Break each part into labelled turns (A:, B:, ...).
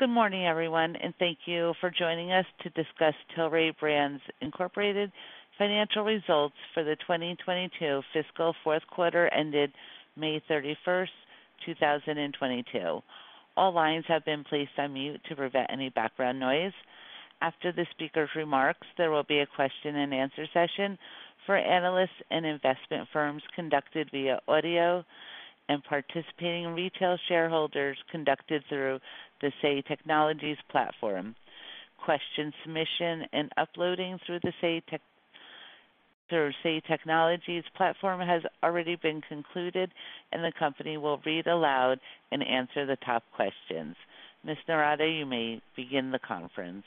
A: Good morning, everyone, and thank you for joining us to discuss Tilray Brands, Inc Financial Results for the 2022 Fiscal Fourth Quarter ended May 31st, 2022. All lines have been placed on mute to prevent any background noise. After the speaker's remarks, there will be a question-and-answer session for analysts and investment firms conducted via audio, and participating retail shareholders conducted through the Say Technologies platform. Question submission and uploading through the Say Technologies platform has already been concluded, and the company will read aloud and answer the top questions. Ms. Noorata, you may begin the conference.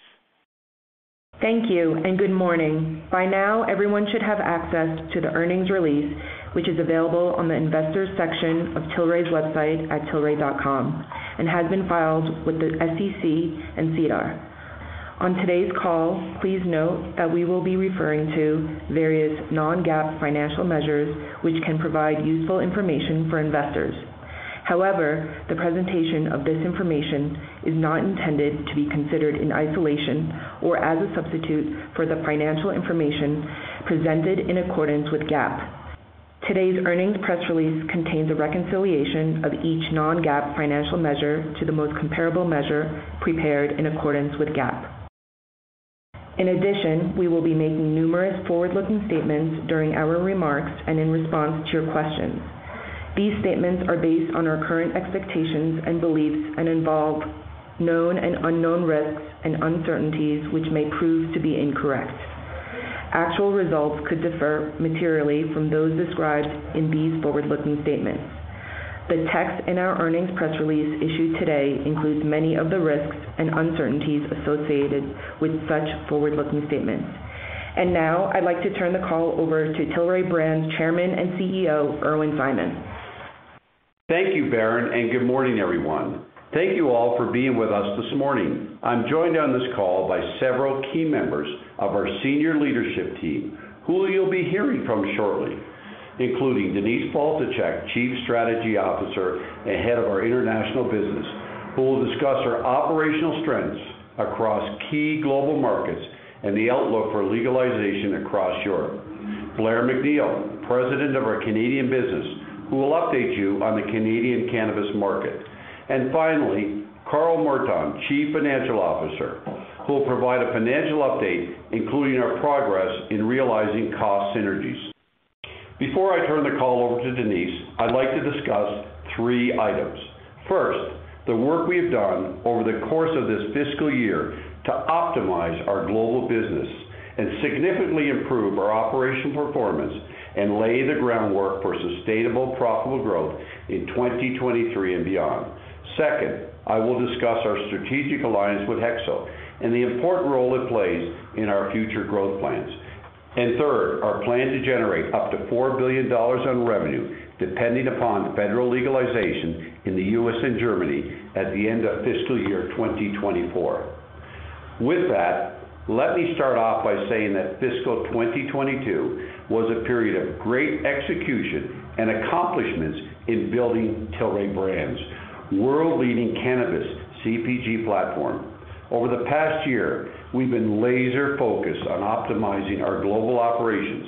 B: Thank you and good morning. By now, everyone should have access to the earnings release, which is available on the Investors section of Tilray's website at tilray.com and has been filed with the SEC and SEDAR. On today's call, please note that we will be referring to various non-GAAP financial measures which can provide useful information for investors. However, the presentation of this information is not intended to be considered in isolation or as a substitute for the financial information presented in accordance with GAAP. Today's earnings press release contains a reconciliation of each non-GAAP financial measure to the most comparable measure prepared in accordance with GAAP. In addition, we will be making numerous forward-looking statements during our remarks and in response to your questions. These statements are based on our current expectations and beliefs and involve known and unknown risks and uncertainties, which may prove to be incorrect. Actual results could differ materially from those described in these forward-looking statements. The text in our earnings press release issued today includes many of the risks and uncertainties associated with such forward-looking statements. Now, I'd like to turn the call over to Tilray Brands' Chairman and CEO, Irwin Simon.
C: Thank you, Berrin, and good morning, everyone. Thank you all for being with us this morning. I'm joined on this call by several key members of our senior leadership team, who you'll be hearing from shortly, including Denise Faltischek, Chief Strategy Officer and Head of our International Business, who will discuss our operational strengths across key global markets and the outlook for legalization across Europe. Blair MacNeil, President of our Canadian Business, who will update you on the Canadian cannabis market. And finally, Carl Merton, Chief Financial Officer, who will provide a financial update, including our progress in realizing cost synergies. Before I turn the call over to Denise, I'd like to discuss three items. First, the work we have done over the course of this fiscal year to optimize our global business and significantly improve our operational performance and lay the groundwork for sustainable, profitable growth in 2023 and beyond. Second, I will discuss our strategic alliance with HEXO and the important role it plays in our future growth plans. Third, our plan to generate up to $4 billion in revenue, depending upon federal legalization in the U.S. and Germany at the end of fiscal year 2024. With that, let me start off by saying that fiscal 2022 was a period of great execution and accomplishments in building Tilray Brands, world-leading cannabis CPG platform. Over the past year, we've been laser-focused on optimizing our global operations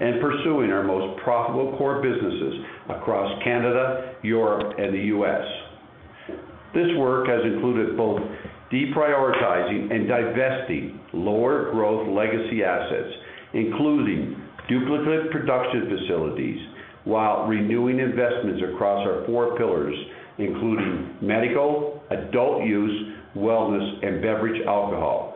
C: and pursuing our most profitable core businesses across Canada, Europe, and the U.S. This work has included both deprioritizing and divesting lower growth legacy assets, including duplicate production facilities, while renewing investments across our four pillars, including medical, adult use, wellness, and beverage alcohol.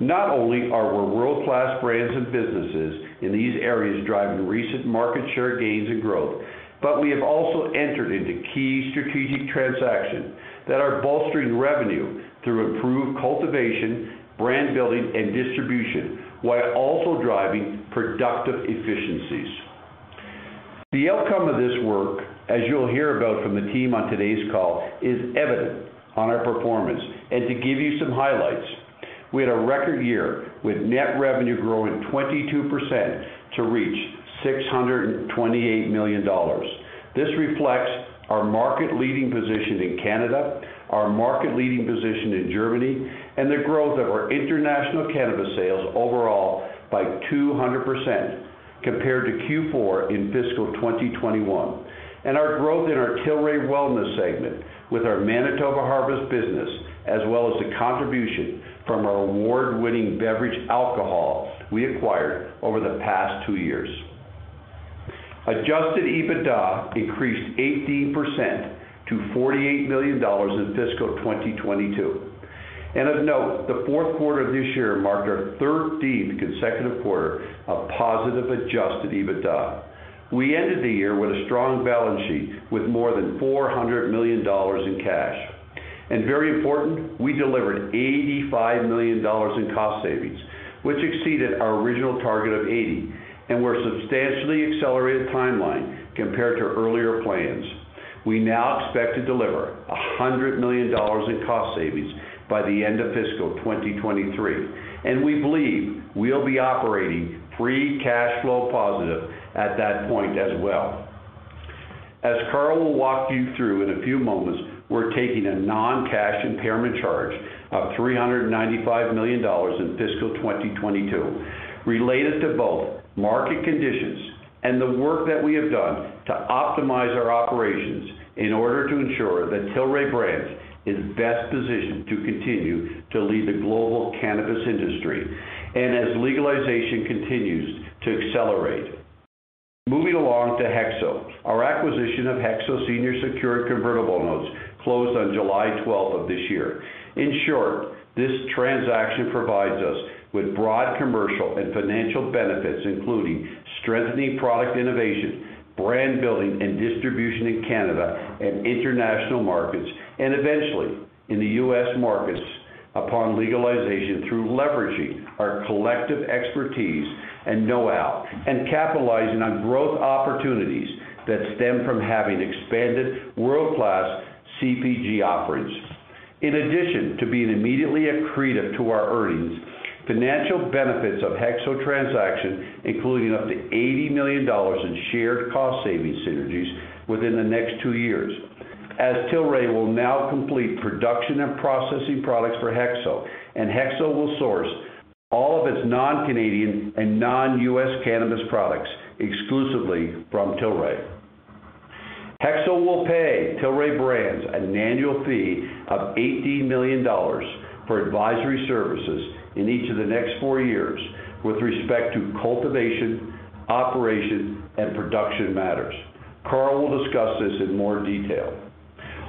C: Not only are we world-class brands and businesses in these areas driving recent market share gains and growth, but we have also entered into key strategic transactions that are bolstering revenue through improved cultivation, brand building, and distribution, while also driving productive efficiencies. The outcome of this work, as you'll hear about from the team on today's call, is evident on our performance. To give you some highlights, we had a record year with net revenue growing 22% to reach $628 million. This reflects our market-leading position in Canada, our market-leading position in Germany, and the growth of our international cannabis sales overall by 200% compared to Q4 in fiscal 2021. Our growth in our Tilray wellness segment with our Manitoba Harvest business, as well as the contribution from our award-winning beverage alcohol we acquired over the past two years. Adjusted EBITDA increased 18% to $48 million in fiscal 2022. Of note, the fourth quarter of this year marked our 13th consecutive quarter of positive adjusted EBITDA. We ended the year with a strong balance sheet with more than $400 million in cash. Very important, we delivered $85 million in cost savings, which exceeded our original target of 80 and were substantially accelerated timeline compared to earlier plans. We now expect to deliver $100 million in cost savings by the end of fiscal 2023, and we believe we'll be operating free cash flow positive at that point as well. As Carl will walk you through in a few moments, we're taking a non-cash impairment charge of $395 million in fiscal 2022 related to both market conditions and the work that we have done to optimize our operations in order to ensure that Tilray Brands is best positioned to continue to lead the global cannabis industry and as legalization continues to accelerate. Moving along to HEXO. Our acquisition of HEXO senior secured convertible notes closed on July 12th of this year. In short, this transaction provides us with broad commercial and financial benefits, including strengthening product innovation, brand building, and distribution in Canada and international markets, and eventually in the U.S. markets upon legalization through leveraging our collective expertise and know-how, and capitalizing on growth opportunities that stem from having expanded world-class CPG offerings. In addition to being immediately accretive to our earnings, financial benefits of HEXO transaction, including up to $80 million in shared cost savings synergies within the next two years, as Tilray will now complete production and processing products for HEXO, and HEXO will source all of its non-Canadian and non-U.S. cannabis products exclusively from Tilray. HEXO will pay Tilray Brands an annual fee of $80 million for advisory services in each of the next four years with respect to cultivation, operation, and production matters. Carl will discuss this in more detail.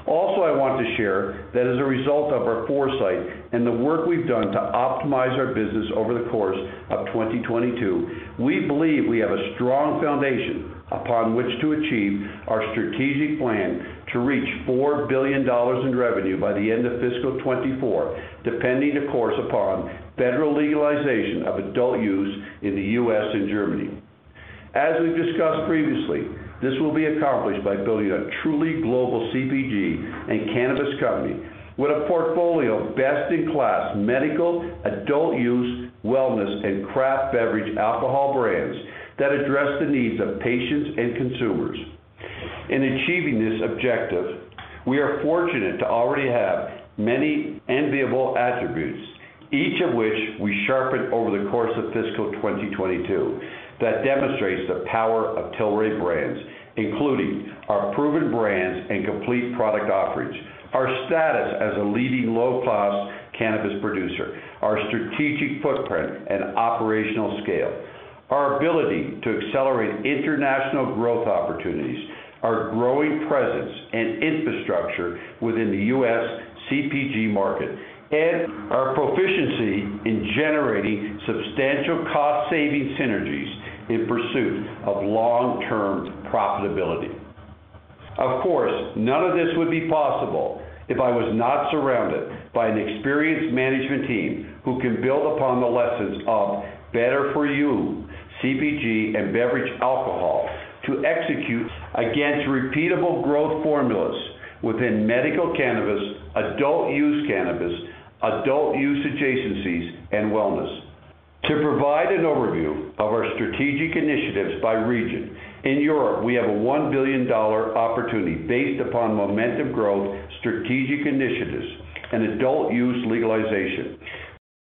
C: Also, I want to share that as a result of our foresight and the work we've done to optimize our business over the course of 2022, we believe we have a strong foundation upon which to achieve our strategic plan to reach $4 billion in revenue by the end of fiscal 2024, depending, of course, upon federal legalization of adult-use in the U.S. and Germany. As we've discussed previously, this will be accomplished by building a truly global CPG and cannabis company with a portfolio of best-in-class medical, adult-use, wellness, and craft beverage alcohol brands that address the needs of patients and consumers. In achieving this objective, we are fortunate to already have many enviable attributes, each of which we sharpened over the course of fiscal 2022, that demonstrates the power of Tilray Brands, including our proven brands and complete product offerings, our status as a leading low-cost cannabis producer, our strategic footprint and operational scale, our ability to accelerate international growth opportunities, our growing presence and infrastructure within the U.S. CPG market, and our proficiency in generating substantial cost savings synergies in pursuit of long-term profitability. Of course, none of this would be possible if I was not surrounded by an experienced management team who can build upon the lessons of better for you, CPG, and beverage alcohol to execute against repeatable growth formulas within medical cannabis, adult-use cannabis, adult-use adjacencies, and wellness. To provide an overview of our strategic initiatives by region, in Europe, we have a $1 billion opportunity based upon momentum growth, strategic initiatives, and adult use legalization.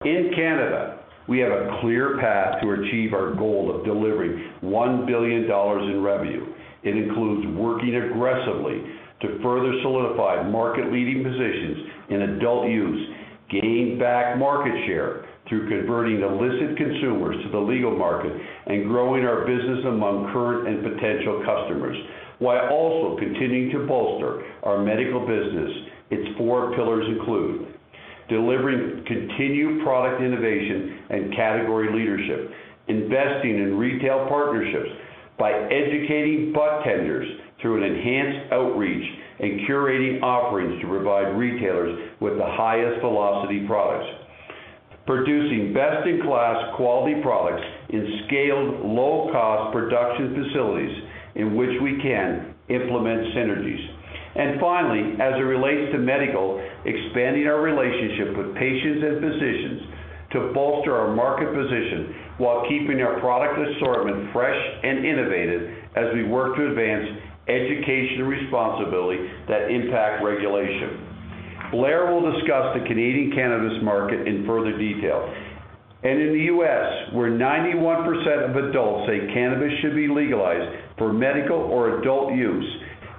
C: In Canada, we have a clear path to achieve our goal of delivering $1 billion in revenue. It includes working aggressively to further solidify market-leading positions in adult use, gain back market share through converting illicit consumers to the legal market, and growing our business among current and potential customers, while also continuing to bolster our medical business. Its four pillars include delivering continued product innovation and category leadership, investing in retail partnerships by educating budtenders through an enhanced outreach and curating offerings to provide retailers with the highest velocity products. Producing best-in-class quality products in scaled, low-cost production facilities in which we can implement synergies. Finally, as it relates to medical, expanding our relationship with patients and physicians to bolster our market position while keeping our product assortment fresh and innovative as we work to advance education responsibility that impact regulation. Blair will discuss the Canadian cannabis market in further detail. In the U.S., where 91% of adults say cannabis should be legalized for medical or adult use,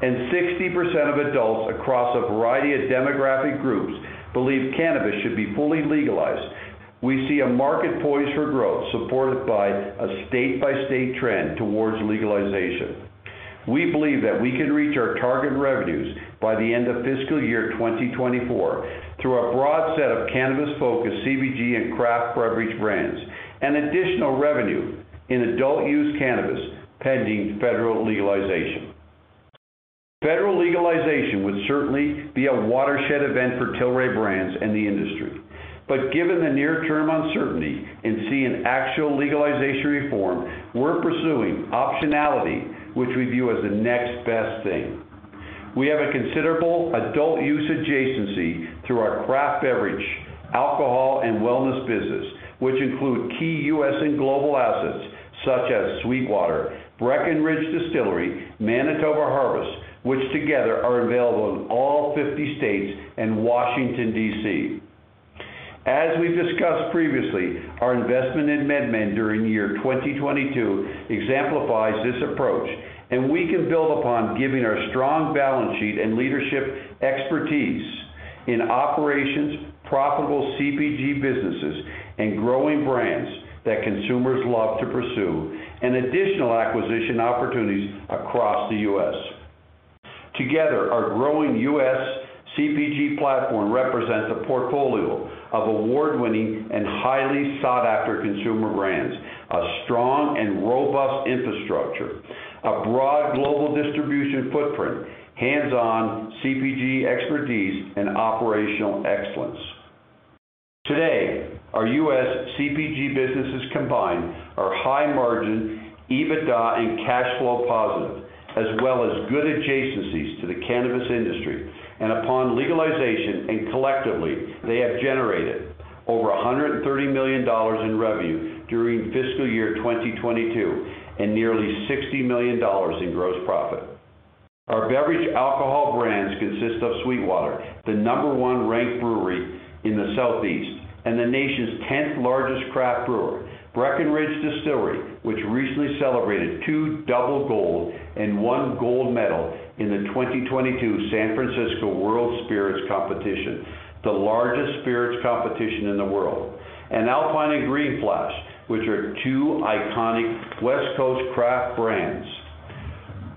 C: and 60% of adults across a variety of demographic groups believe cannabis should be fully legalized, we see a market poised for growth, supported by a state-by-state trend towards legalization. We believe that we can reach our target revenues by the end of fiscal year 2024 through a broad set of cannabis-focused CPG and craft beverage brands, and additional revenue in adult-use cannabis, pending federal legalization. Federal legalization would certainly be a watershed event for Tilray Brands and the industry. Given the near-term uncertainty in seeing actual legalization reform, we're pursuing optionality, which we view as the next best thing. We have a considerable adult use adjacency through our craft beverage, alcohol and wellness business, which include key U.S. and global assets such as SweetWater, Breckenridge Distillery, Manitoba Harvest, which together are available in all 50 states and Washington, D.C. As we've discussed previously, our investment in MedMen during year 2022 exemplifies this approach, and we can build upon, given our strong balance sheet and leadership expertise in operations, profitable CPG businesses, and growing brands that consumers love to pursue additional acquisition opportunities across the U.S. Together, our growing U.S. CPG platform represents a portfolio of award-winning and highly sought-after consumer brands, a strong and robust infrastructure, a broad global distribution footprint, hands-on CPG expertise and operational excellence. Today, our U.S. CPG businesses combined are high margin, EBITDA, and cash flow positive, as well as good adjacencies to the cannabis industry. Upon legalization and collectively, they have generated over $130 million in revenue during fiscal year 2022, and nearly $60 million in gross profit. Our beverage alcohol brands consist of SweetWater, the number one ranked brewery in the Southeast, and the nation's tenth-largest craft brewer. Breckenridge Distillery, which recently celebrated two double gold and one gold medal in the 2022 San Francisco World Spirits Competition, the largest spirits competition in the world. Alpine and Green Flash, which are two iconic West Coast craft brands.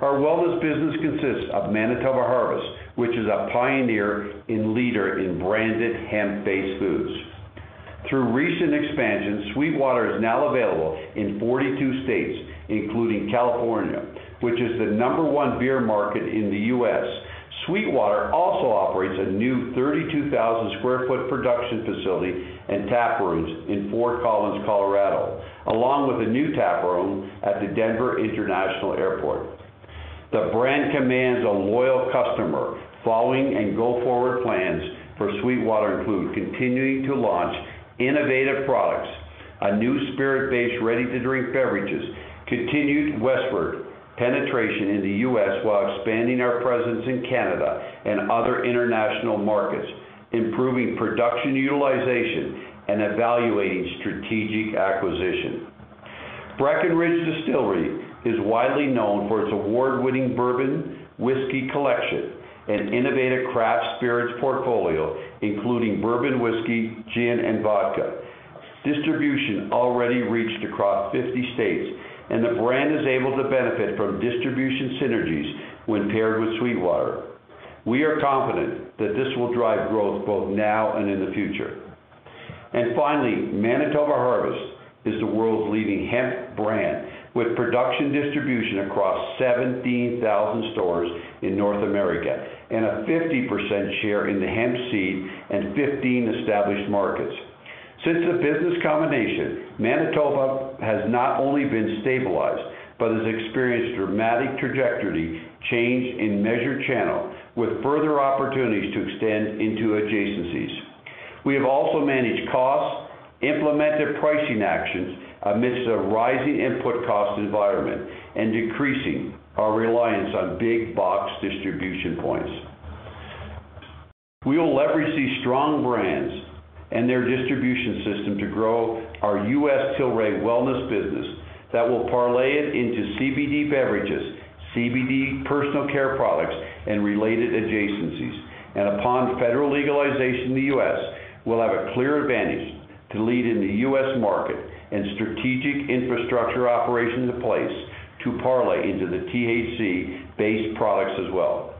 C: Our wellness business consists of Manitoba Harvest, which is a pioneer and leader in branded hemp-based foods. Through recent expansions, SweetWater is now available in 42 states, including California, which is the number one beer market in the U.S. SweetWater also operates a new 32,000 sq ft production facility and taprooms in Fort Collins, Colorado, along with a new taproom at the Denver International Airport. The brand commands a loyal customer following and go-forward plans for SweetWater include continuing to launch innovative products, a new spirit-based ready-to-drink beverages, continued westward penetration in the U.S. while expanding our presence in Canada and other international markets, improving production utilization, and evaluating strategic acquisition. Breckenridge Distillery is widely known for its award-winning bourbon whiskey collection and innovative craft spirits portfolio, including bourbon whiskey, gin, and vodka. Distribution already reached across 50 states, and the brand is able to benefit from distribution synergies when paired with SweetWater. We are confident that this will drive growth both now and in the future. Finally, Manitoba Harvest is the world's leading hemp brand with production distribution across 17,000 stores in North America and a 50% share in the hemp seed and 15 established markets. Since the business combination, Manitoba has not only been stabilized, but has experienced dramatic trajectory change in measured channel with further opportunities to extend into adjacencies. We have also managed costs, implemented pricing actions amidst a rising input cost environment, and decreasing our reliance on big box distribution points. We will leverage these strong brands and their distribution system to grow our U.S. Tilray wellness business that will parlay it into CBD beverages, CBD personal care products, and related adjacencies. Upon federal legalization in the U.S., we'll have a clear advantage to lead in the U.S. market and strategic infrastructure operations in place to parlay into the THC-based products as well.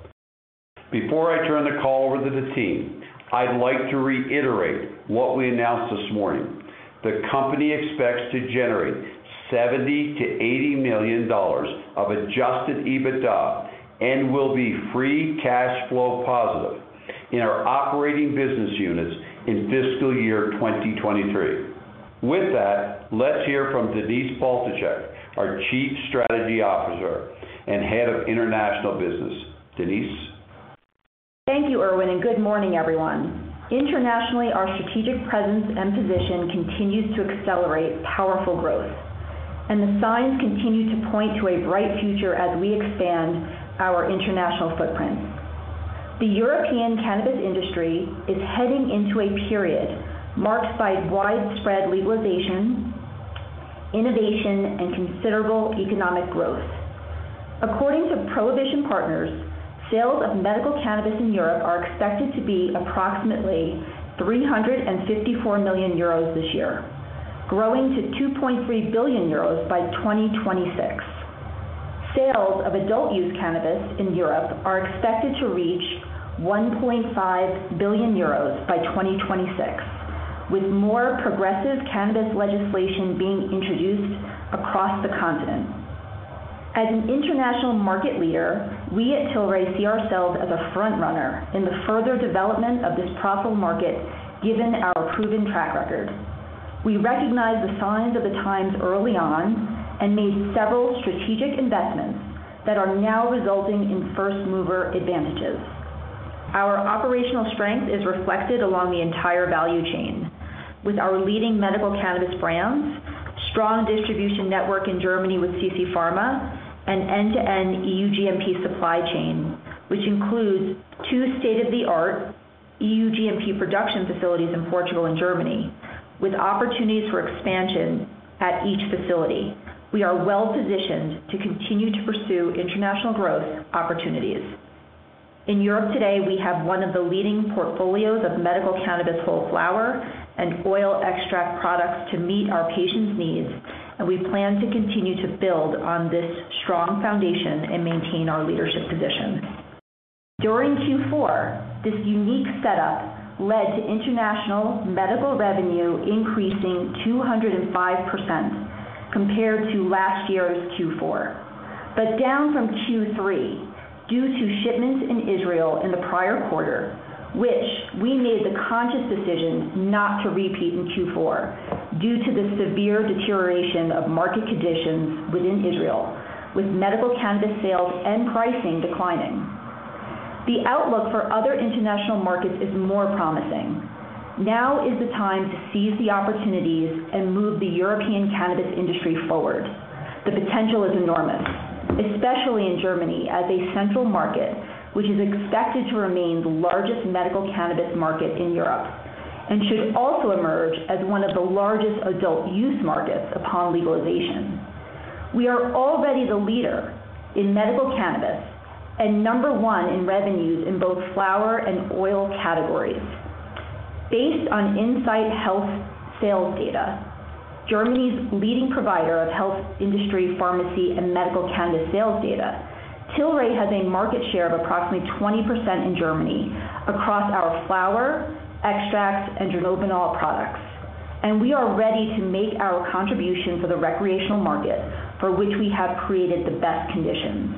C: Before I turn the call over to the team, I'd like to reiterate what we announced this morning. The company expects to generate $70-$80 million of adjusted EBITDA and will be free cash flow positive in our operating business units in fiscal year 2023. With that, let's hear from Denise Faltischek, our Chief Strategy Officer and Head of International Business. Denise.
D: Thank you, Irwin, and good morning, everyone. Internationally, our strategic presence and position continues to accelerate powerful growth, and the signs continue to point to a bright future as we expand our international footprint. The European cannabis industry is heading into a period marked by widespread legalization, innovation, and considerable economic growth. According to Prohibition Partners, sales of medical cannabis in Europe are expected to be approximately 354 million euros this year, growing to 2.3 billion euros by 2026. Sales of adult use cannabis in Europe are expected to reach 1.5 billion euros by 2026, with more progressive cannabis legislation being introduced across the continent. As an international market leader, we at Tilray see ourselves as a frontrunner in the further development of this profitable market, given our proven track record. We recognized the signs of the times early on and made several strategic investments that are now resulting in first-mover advantages. Our operational strength is reflected along the entire value chain. With our leading medical cannabis brands, strong distribution network in Germany with CC Pharma, an end-to-end EU GMP supply chain, which includes two state-of-the-art EU GMP production facilities in Portugal and Germany, with opportunities for expansion at each facility. We are well-positioned to continue to pursue international growth opportunities. In Europe today, we have one of the leading portfolios of medical cannabis whole flower and oil extract products to meet our patients' needs, and we plan to continue to build on this strong foundation and maintain our leadership position. During Q4, this unique setup led to international medical revenue increasing 205% compared to last year's Q4. Down from Q3 due to shipments in Israel in the prior quarter, which we made the conscious decision not to repeat in Q4 due to the severe deterioration of market conditions within Israel, with medical cannabis sales and pricing declining. The outlook for other international markets is more promising. Now is the time to seize the opportunities and move the European cannabis industry forward. The potential is enormous, especially in Germany as a central market, which is expected to remain the largest medical cannabis market in Europe, and should also emerge as one of the largest adult use markets upon legalization. We are already the leader in medical cannabis and number one in revenues in both flower and oil categories. Based on Insight Health sales data, Germany's leading provider of health industry, pharmacy, and medical cannabis sales data, Tilray has a market share of approximately 20% in Germany across our flower, extracts, and dronabinol products. We are ready to make our contribution to the recreational market, for which we have created the best conditions.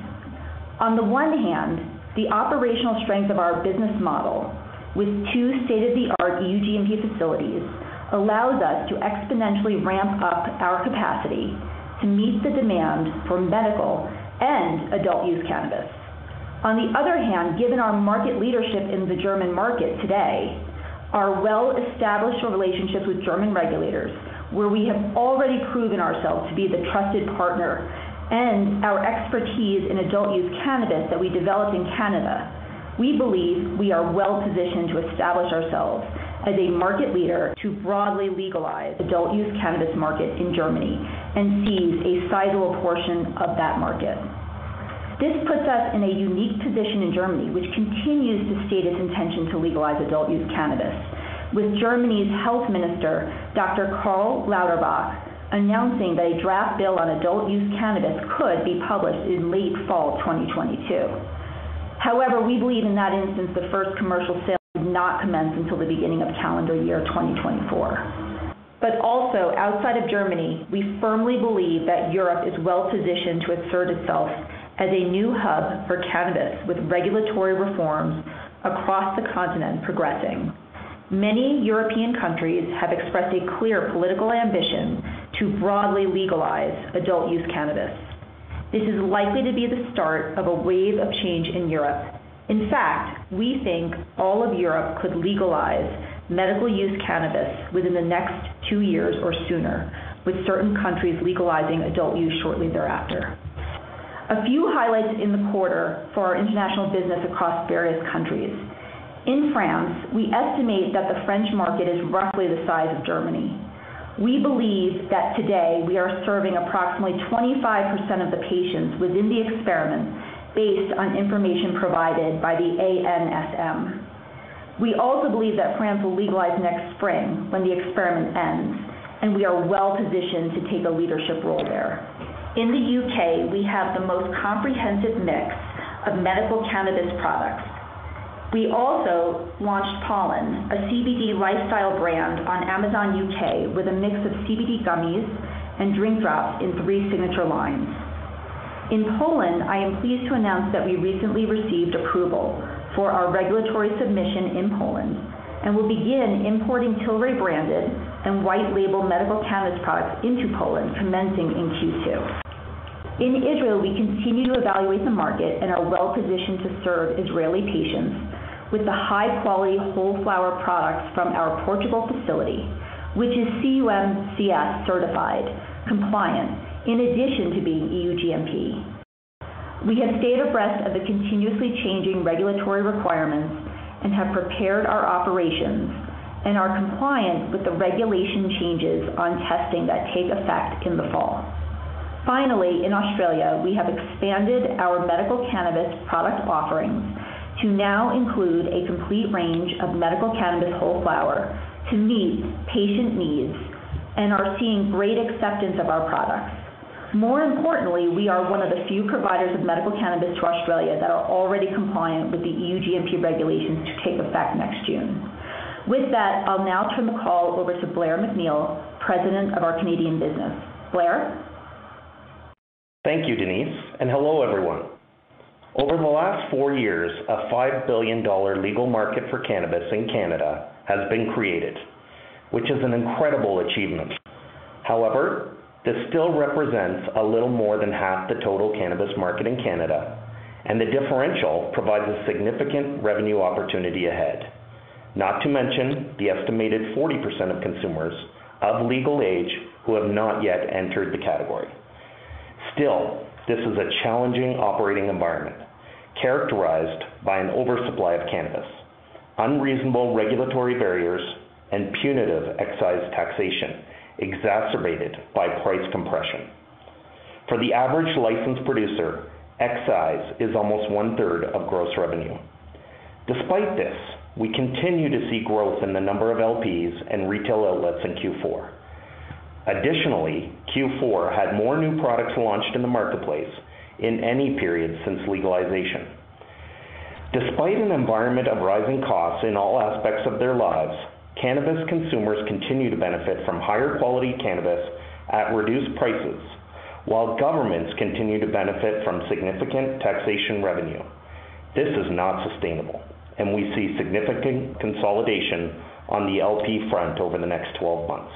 D: On the one hand, the operational strength of our business model with two state-of-the-art EU GMP facilities allows us to exponentially ramp up our capacity to meet the demand for medical and adult use cannabis. On the other hand, given our market leadership in the German market today, our well-established relationships with German regulators, where we have already proven ourselves to be the trusted partner, and our expertise in adult-use cannabis that we developed in Canada, we believe we are well-positioned to establish ourselves as a market leader in the broadly legalized adult-use cannabis market in Germany and seize a sizable portion of that market. This puts us in a unique position in Germany, which continues to state its intention to legalize adult-use cannabis. With Germany's Health Minister, Dr. Karl Lauterbach, announcing that a draft bill on adult-use cannabis could be published in late fall of 2022. However, we believe in that instance, the first commercial sale would not commence until the beginning of calendar year 2024. Also, outside of Germany, we firmly believe that Europe is well-positioned to assert itself as a new hub for cannabis with regulatory reforms across the continent progressing. Many European countries have expressed a clear political ambition to broadly legalize adult use cannabis. This is likely to be the start of a wave of change in Europe. In fact, we think all of Europe could legalize medical use cannabis within the next two years or sooner, with certain countries legalizing adult use shortly thereafter. A few highlights in the quarter for our international business across various countries. In France, we estimate that the French market is roughly the size of Germany. We believe that today we are serving approximately 25% of the patients within the experiment based on information provided by the ANSM. We also believe that France will legalize next spring when the experiment ends, and we are well-positioned to take a leadership role there. In the U.K., we have the most comprehensive mix of medical cannabis products. We also launched POLLEN, a CBD lifestyle brand on Amazon U.K. with a mix of CBD gummies and drink drops in three signature lines. In Poland, I am pleased to announce that we recently received approval for our regulatory submission in Poland, and will begin importing Tilray-branded and white label medical cannabis products into Poland commencing in Q2. In Israel, we continue to evaluate the market and are well-positioned to serve Israeli patients with the high-quality whole flower products from our Portugal facility, which is CUMCS certified compliant in addition to being EU GMP. We have stayed abreast of the continuously changing regulatory requirements and have prepared our operations and are compliant with the regulation changes on testing that take effect in the fall. Finally, in Australia, we have expanded our medical cannabis product offerings to now include a complete range of medical cannabis whole flower to meet patient needs and are seeing great acceptance of our products. More importantly, we are one of the few providers of medical cannabis to Australia that are already compliant with the EU GMP regulations to take effect next June. With that, I'll now turn the call over to Blair MacNeil, President of our Canadian business. Blair?
E: Thank you, Denise, and hello, everyone. Over the last four years, a $5 billion legal market for cannabis in Canada has been created, which is an incredible achievement. However, this still represents a little more than half the total cannabis market in Canada, and the differential provides a significant revenue opportunity ahead. Not to mention the estimated 40% of consumers of legal age who have not yet entered the category. Still, this is a challenging operating environment characterized by an oversupply of cannabis, unreasonable regulatory barriers, and punitive excise taxation exacerbated by price compression. For the average licensed producer, excise is almost one-third of gross revenue. Despite this, we continue to see growth in the number of LPs and retail outlets in Q4. Additionally, Q4 had more new products launched in the marketplace in any period since legalization. Despite an environment of rising costs in all aspects of their lives, cannabis consumers continue to benefit from higher quality cannabis at reduced prices, while governments continue to benefit from significant taxation revenue. This is not sustainable, and we see significant consolidation on the LP front over the next 12 months.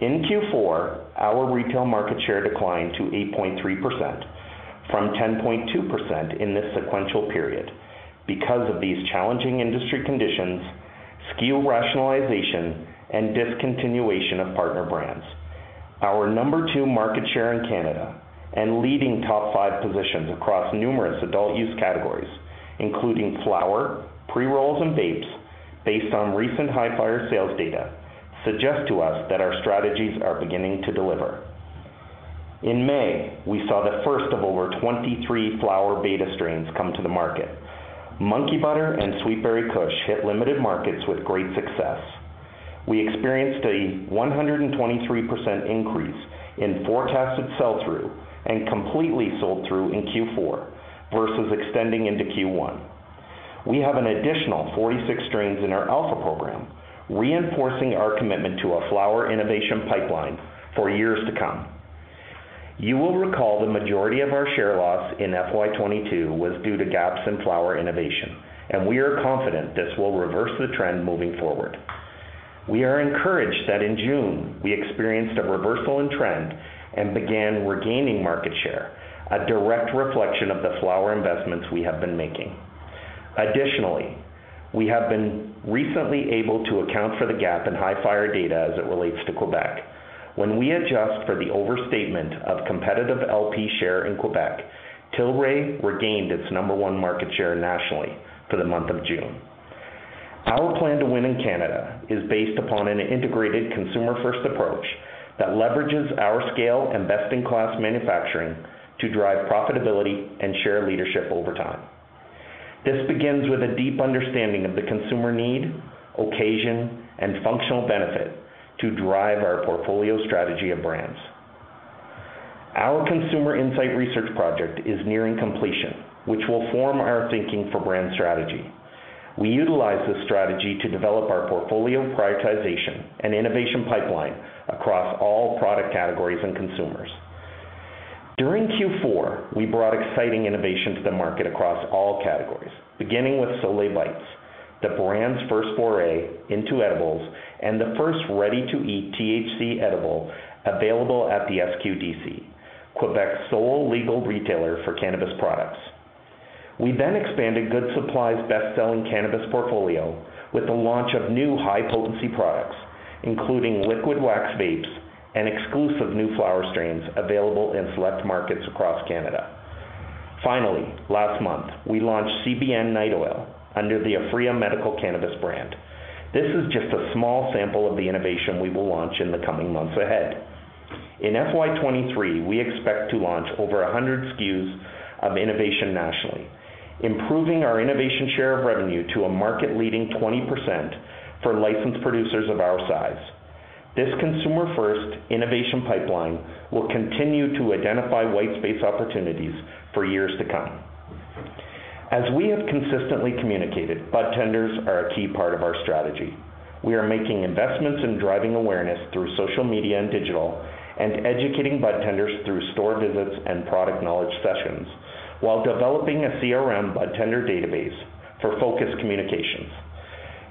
E: In Q4, our retail market share declined to 8.3% from 10.2% in this sequential period because of these challenging industry conditions, SKU rationalization, and discontinuation of partner brands. Our number two market share in Canada and leading top five positions across numerous adult-use categories, including flower, pre-rolls, and vapes based on recent Hifyre sales data suggest to us that our strategies are beginning to deliver. In May, we saw the first of over 23 flower beta strains come to the market. Monkey Butter and Sweet Berry Kush hit limited markets with great success. We experienced a 123% increase in forecasted sell-through and completely sold through in Q4 versus extending into Q1. We have an additional 46 strains in our alpha program, reinforcing our commitment to a flower innovation pipeline for years to come. You will recall the majority of our share loss in FY 2022 was due to gaps in flower innovation, and we are confident this will reverse the trend moving forward. We are encouraged that in June we experienced a reversal in trend and began regaining market share, a direct reflection of the flower investments we have been making. Additionally, we have been recently able to account for the gap in Hifyre data as it relates to Quebec. When we adjust for the overstatement of competitive LP share in Quebec, Tilray regained its number one market share nationally for the month of June. Our plan to win in Canada is based upon an integrated consumer-first approach that leverages our scale and best-in-class manufacturing to drive profitability and share leadership over time. This begins with a deep understanding of the consumer need, occasion, and functional benefit to drive our portfolio strategy of brands. Our consumer insight research project is nearing completion, which will form our thinking for brand strategy. We utilize this strategy to develop our portfolio prioritization and innovation pipeline across all product categories and consumers. During Q4, we brought exciting innovation to the market across all categories, beginning with Solei Bites, the brand's first foray into edibles and the first ready-to-eat THC edible available at the SQDC, Quebec's sole legal retailer for cannabis products. We expanded Good Supply's best-selling cannabis portfolio with the launch of new high-potency products, including liquid wax vapes and exclusive new flower strains available in select markets across Canada. Finally, last month, we launched CBN Night Oil under the Aphria Medical Cannabis brand. This is just a small sample of the innovation we will launch in the coming months ahead. In FY 2023, we expect to launch over 100 SKUs of innovation nationally, improving our innovation share of revenue to a market-leading 20% for licensed producers of our size. This consumer-first innovation pipeline will continue to identify white space opportunities for years to come. As we have consistently communicated, budtenders are a key part of our strategy. We are making investments in driving awareness through social media and digital and educating budtenders through store visits and product knowledge sessions while developing a CRM budtender database for focused communications.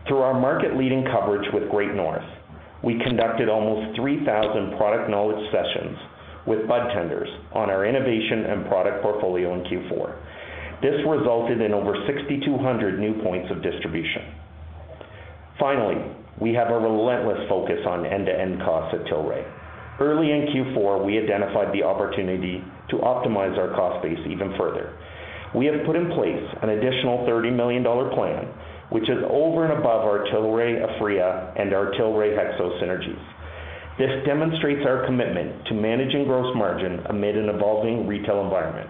E: Through our market-leading coverage with Great North, we conducted almost 3,000 product knowledge sessions with budtenders on our innovation and product portfolio in Q4. This resulted in over 6,200 new points of distribution. Finally, we have a relentless focus on end-to-end costs at Tilray. Early in Q4, we identified the opportunity to optimize our cost base even further. We have put in place an additional $30 million plan, which is over and above our Tilray-Aphria and our Tilray-HEXO synergies. This demonstrates our commitment to managing gross margin amid an evolving retail environment.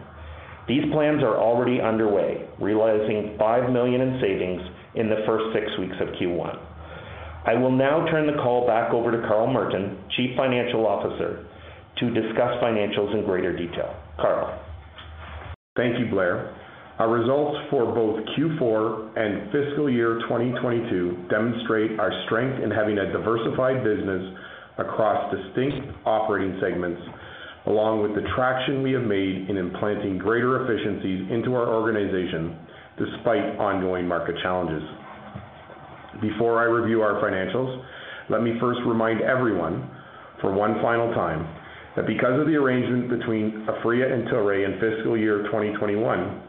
E: These plans are already underway, realizing $5 million in savings in the first six weeks of Q1. I will now turn the call back over to Carl Merton, Chief Financial Officer, to discuss financials in greater detail. Carl?
F: Thank you, Blair. Our results for both Q4 and fiscal year 2022 demonstrate our strength in having a diversified business across distinct operating segments, along with the traction we have made in implementing greater efficiencies into our organization despite ongoing market challenges. Before I review our financials, let me first remind everyone for one final time that because of the arrangement between Aphria and Tilray in fiscal year 2021,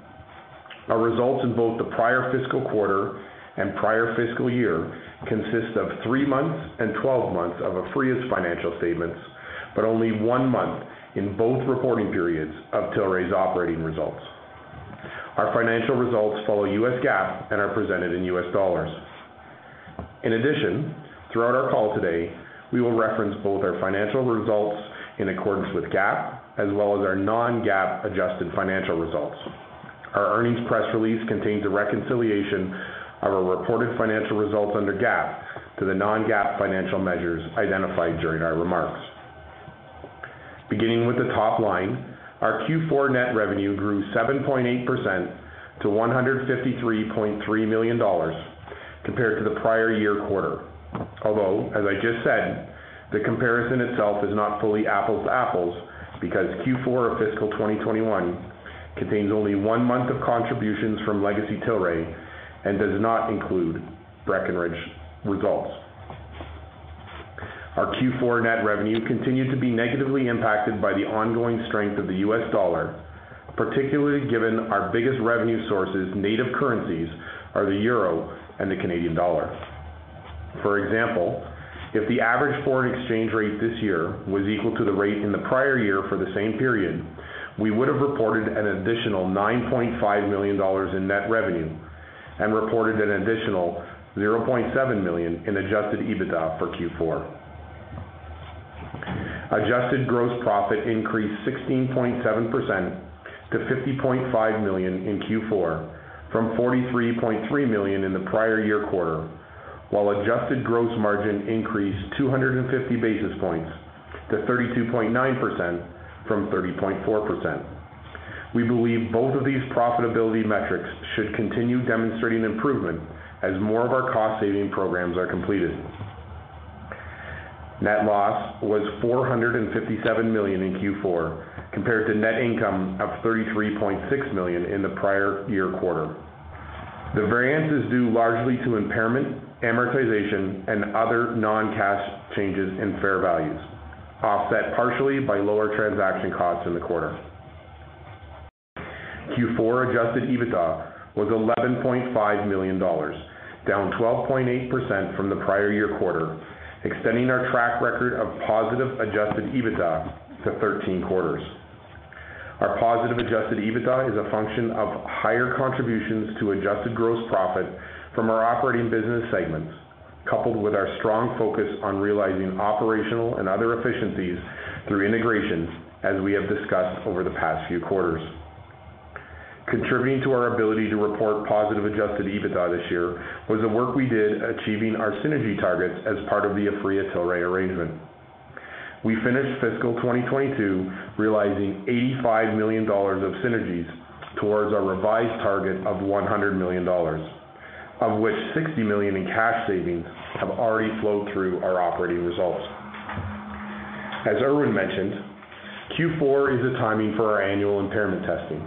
F: our results in both the prior fiscal quarter and prior fiscal year consist of three months and 12 months of Aphria's financial statements, but only 1 month in both reporting periods of Tilray's operating results. Our financial results follow U.S. GAAP and are presented in U.S. dollars. In addition, throughout our call today, we will reference both our financial results in accordance with GAAP as well as our non-GAAP adjusted financial results. Our earnings press release contains a reconciliation of our reported financial results under GAAP to the non-GAAP financial measures identified during our remarks. Beginning with the top line, our Q4 net revenue grew 7.8% to $153.3 million compared to the prior year quarter. As I just said, the comparison itself is not fully apples to apples because Q4 of fiscal 2021 contains only one month of contributions from Legacy Tilray and does not include Breckenridge results. Our Q4 net revenue continued to be negatively impacted by the ongoing strength of the U.S. dollar, particularly given our biggest revenue sources' native currencies are the euro and the Canadian dollar. For example, if the average foreign exchange rate this year was equal to the rate in the prior year for the same period, we would have reported an additional $9.5 million in net revenue and reported an additional $0.7 million in adjusted EBITDA for Q4. Adjusted gross profit increased 16.7% to $50.5 million in Q4 from $43.3 million in the prior year quarter, while adjusted gross margin increased 250 basis points to 32.9% from 30.4%. We believe both of these profitability metrics should continue demonstrating improvement as more of our cost-saving programs are completed. Net loss was $457 million in Q4 compared to net income of $33.6 million in the prior year quarter. The variance is due largely to impairment, amortization, and other non-cash changes in fair values, offset partially by lower transaction costs in the quarter. Q4 adjusted EBITDA was $11.5 million, down 12.8% from the prior year quarter, extending our track record of positive adjusted EBITDA to 13 quarters. Our positive adjusted EBITDA is a function of higher contributions to adjusted gross profit from our operating business segments, coupled with our strong focus on realizing operational and other efficiencies through integrations as we have discussed over the past few quarters. Contributing to our ability to report positive adjusted EBITDA this year was the work we did achieving our synergy targets as part of the Aphria-Tilray arrangement. We finished fiscal 2022 realizing $85 million of synergies towards our revised target of $100 million, of which $60 million in cash savings have already flowed through our operating results. Irwin mentioned, Q4 is the timing for our annual impairment testing.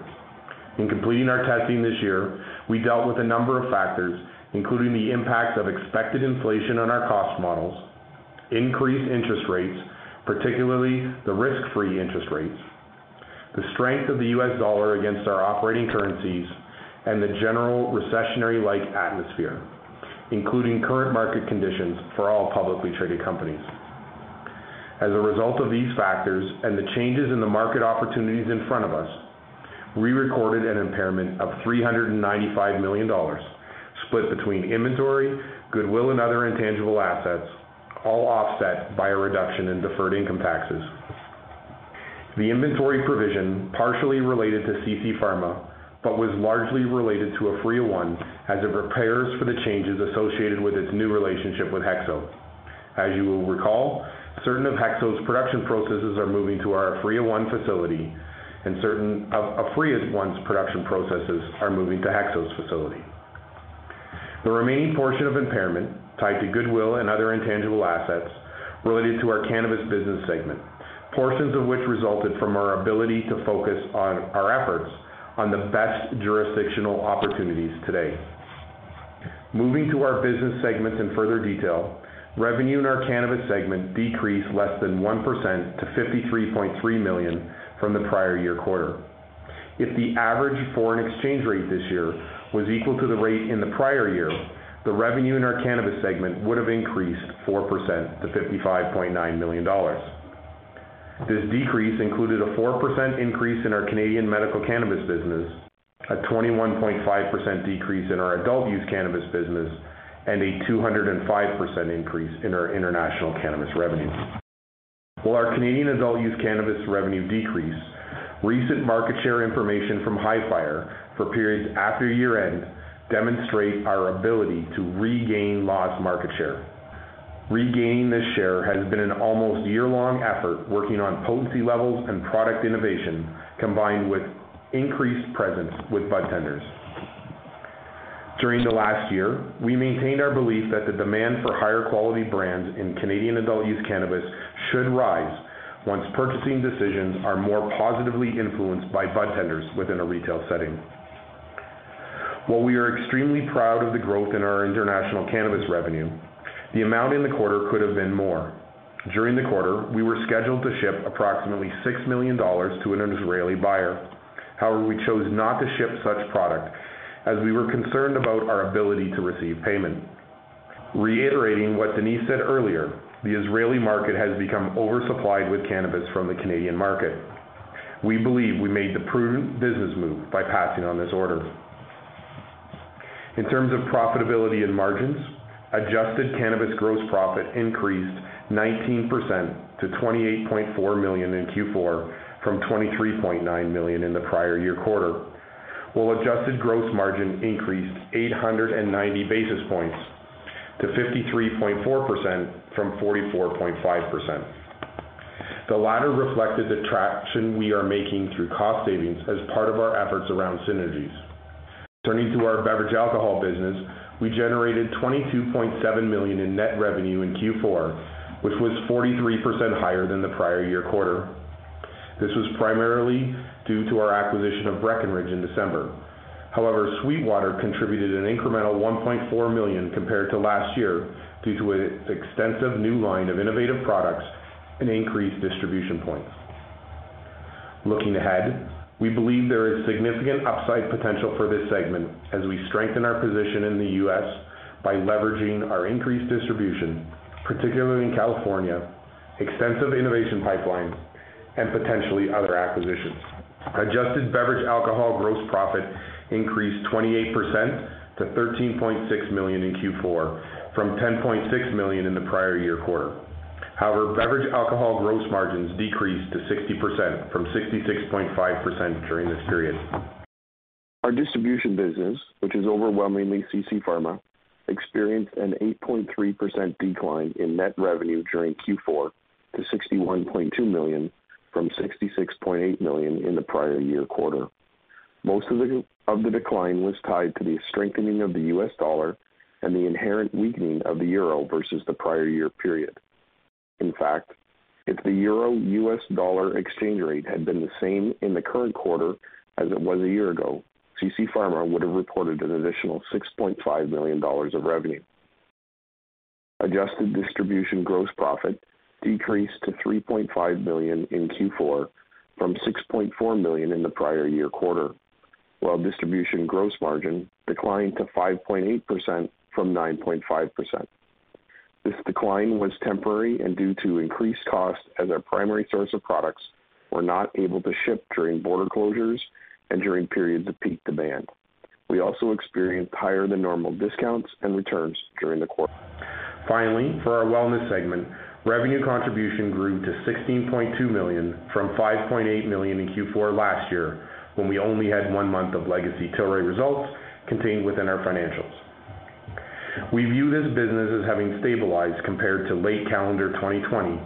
F: In completing our testing this year, we dealt with a number of factors, including the impact of expected inflation on our cost models, increased interest rates, particularly the risk-free interest rates, the strength of the U.S. dollar against our operating currencies, and the general recessionary-like atmosphere, including current market conditions for all publicly traded companies. As a result of these factors and the changes in the market opportunities in front of us, we recorded an impairment of $395 million split between inventory, goodwill, and other intangible assets, all offset by a reduction in deferred income taxes. The inventory provision partially related to CC Pharma, but was largely related to Aphria One as it prepares for the changes associated with its new relationship with HEXO. As you will recall, certain of HEXO's production processes are moving to our Aphria One facility, and certain of Aphria One's production processes are moving to HEXO's facility. The remaining portion of impairment tied to goodwill and other intangible assets related to our cannabis business segment, portions of which resulted from our ability to focus on our efforts on the best jurisdictional opportunities today. Moving to our business segments in further detail, revenue in our cannabis segment decreased less than 1% to $53.3 million from the prior-year quarter. If the average foreign exchange rate this year was equal to the rate in the prior year, the revenue in our cannabis segment would have increased 4% to $55.9 million. This decrease included a 4% increase in our Canadian medical cannabis business, a 21.5% decrease in our adult use cannabis business, and a 205% increase in our international cannabis revenue. While our Canadian adult use cannabis revenue decreased, recent market share information from Hifyre for periods after year-end demonstrate our ability to regain lost market share. Regaining this share has been an almost year-long effort working on potency levels and product innovation, combined with increased presence with budtenders. During the last year, we maintained our belief that the demand for higher quality brands in Canadian adult use cannabis should rise once purchasing decisions are more positively influenced by budtenders within a retail setting. While we are extremely proud of the growth in our international cannabis revenue, the amount in the quarter could have been more. During the quarter, we were scheduled to ship approximately $6 million to an Israeli buyer. However, we chose not to ship such product as we were concerned about our ability to receive payment. Reiterating what Denise said earlier, the Israeli market has become oversupplied with cannabis from the Canadian market. We believe we made the prudent business move by passing on this order. In terms of profitability and margins, adjusted cannabis gross profit increased 19% to $28.4 million in Q4 from $23.9 million in the prior year quarter, while adjusted gross margin increased 890 basis points to 53.4% from 44.5%. The latter reflected the traction we are making through cost savings as part of our efforts around synergies. Turning to our beverage alcohol business, we generated $22.7 million in net revenue in Q4, which was 43% higher than the prior year quarter. This was primarily due to our acquisition of Breckenridge in December. However, SweetWater contributed an incremental $1.4 million compared to last year due to its extensive new line of innovative products and increased distribution points. Looking ahead, we believe there is significant upside potential for this segment as we strengthen our position in the U.S. by leveraging our increased distribution, particularly in California, extensive innovation pipelines, and potentially other acquisitions. Adjusted beverage alcohol gross profit increased 28% to $13.6 million in Q4 from $10.6 million in the prior year quarter. However, beverage alcohol gross margins decreased to 60% from 66.5% during this period. Our distribution business, which is overwhelmingly CC Pharma, experienced an 8.3% decline in net revenue during Q4 to $61.2 million from $66.8 million in the prior year quarter. Most of the decline was tied to the strengthening of the U.S. dollar and the inherent weakening of the euro versus the prior year period. In fact, if the euro-U.S. dollar exchange rate had been the same in the current quarter as it was a year ago, CC Pharma would have reported an additional $6.5 million of revenue. Adjusted distribution gross profit decreased to $3.5 million in Q4 from $6.4 million in the prior year quarter, while distribution gross margin declined to 5.8% from 9.5%. This decline was temporary and due to increased costs as our primary source of products were not able to ship during border closures and during periods of peak demand. We also experienced higher than normal discounts and returns during the quarter. Finally, for our wellness segment, revenue contribution grew to $16.2 million from $5.8 million in Q4 last year, when we only had one month of legacy Tilray results contained within our financials. We view this business as having stabilized compared to late calendar 2020,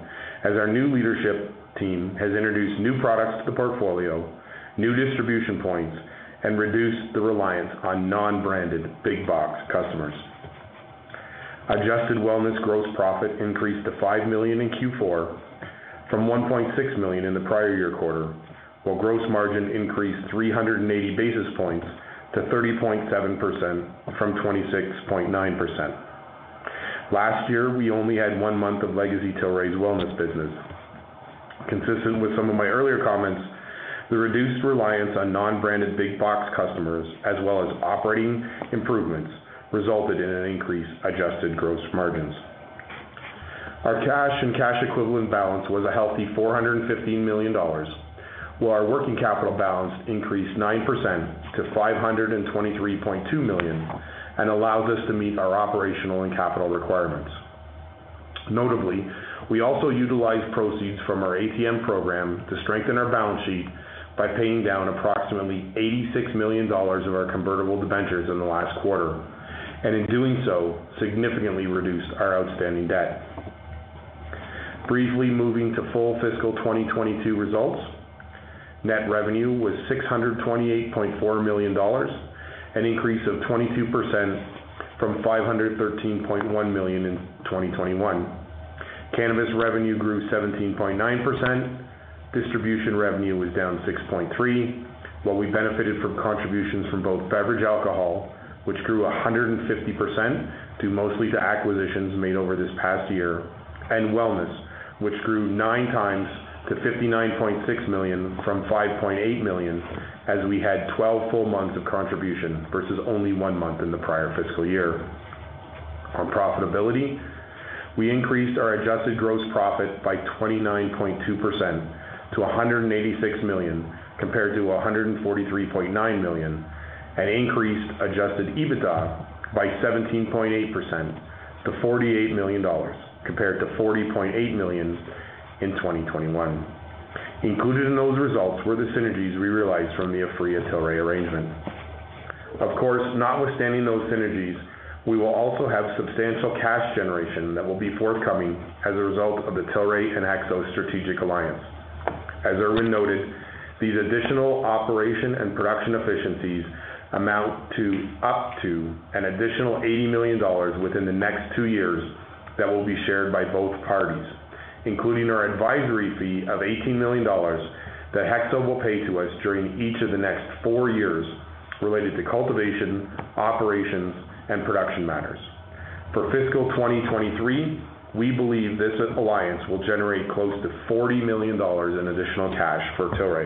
F: as our new leadership team has introduced new products to the portfolio, new distribution points, and reduced the reliance on non-branded big box customers. Adjusted wellness gross profit increased to $5 million in Q4 from $1.6 million in the prior year quarter, while gross margin increased 380 basis points to 30.7% from 26.9%. Last year, we only had one month of Legacy Tilray's wellness business. Consistent with some of my earlier comments, the reduced reliance on non-branded big box customers as well as operating improvements resulted in an increased adjusted gross margins. Our cash and cash equivalent balance was a healthy $415 million, while our working capital balance increased 9% to $523.2 million and allows us to meet our operational and capital requirements. Notably, we also utilized proceeds from our ATM program to strengthen our balance sheet by paying down approximately $86 million of our convertible debentures in the last quarter, and in doing so, significantly reduced our outstanding debt. Briefly moving to full fiscal 2022 results, net revenue was $628.4 million, an increase of 22% from $513.1 million in 2021. Cannabis revenue grew 17.9%. Distribution revenue was down 6.3%. While we benefited from contributions from both beverage alcohol, which grew 150% due mostly to acquisitions made over this past year, and wellness, which grew 9x to $59.6 million from $5.8 million as we had 12 full months of contribution versus only one month in the prior fiscal year. On profitability, we increased our adjusted gross profit by 29.2% to $186 million, compared to $143.9 million, and increased adjusted EBITDA by 17.8% to $48 million, compared to $40.8 million in 2021. Included in those results were the synergies we realized from the Aphria-Tilray arrangement.
C: Of course, notwithstanding those synergies, we will also have substantial cash generation that will be forthcoming as a result of the Tilray and HEXO strategic alliance. As Irwin noted, these additional operation and production efficiencies amount to up to an additional $80 million within the next two years that will be shared by both parties, including our advisory fee of $18 million that HEXO will pay to us during each of the next four years related to cultivation, operations, and production matters. For fiscal 2023, we believe this alliance will generate close to $40 million in additional cash for Tilray.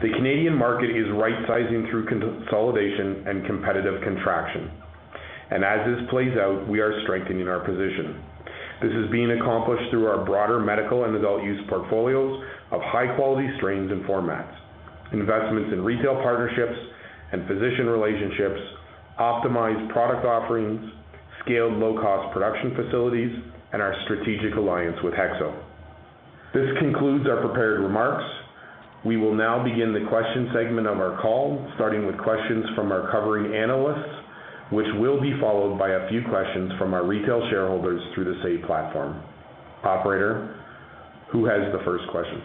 C: The Canadian market is rightsizing through consolidation and competitive contraction. As this plays out, we are strengthening our position. This is being accomplished through our broader medical and adult use portfolios of high-quality strains and formats, investments in retail partnerships and physician relationships, optimized product offerings, scaled low-cost production facilities, and our strategic alliance with HEXO. This concludes our prepared remarks. We will now begin the question segment of our call, starting with questions from our covering analysts, which will be followed by a few questions from our retail shareholders through the Say platform. Operator, who has the first question?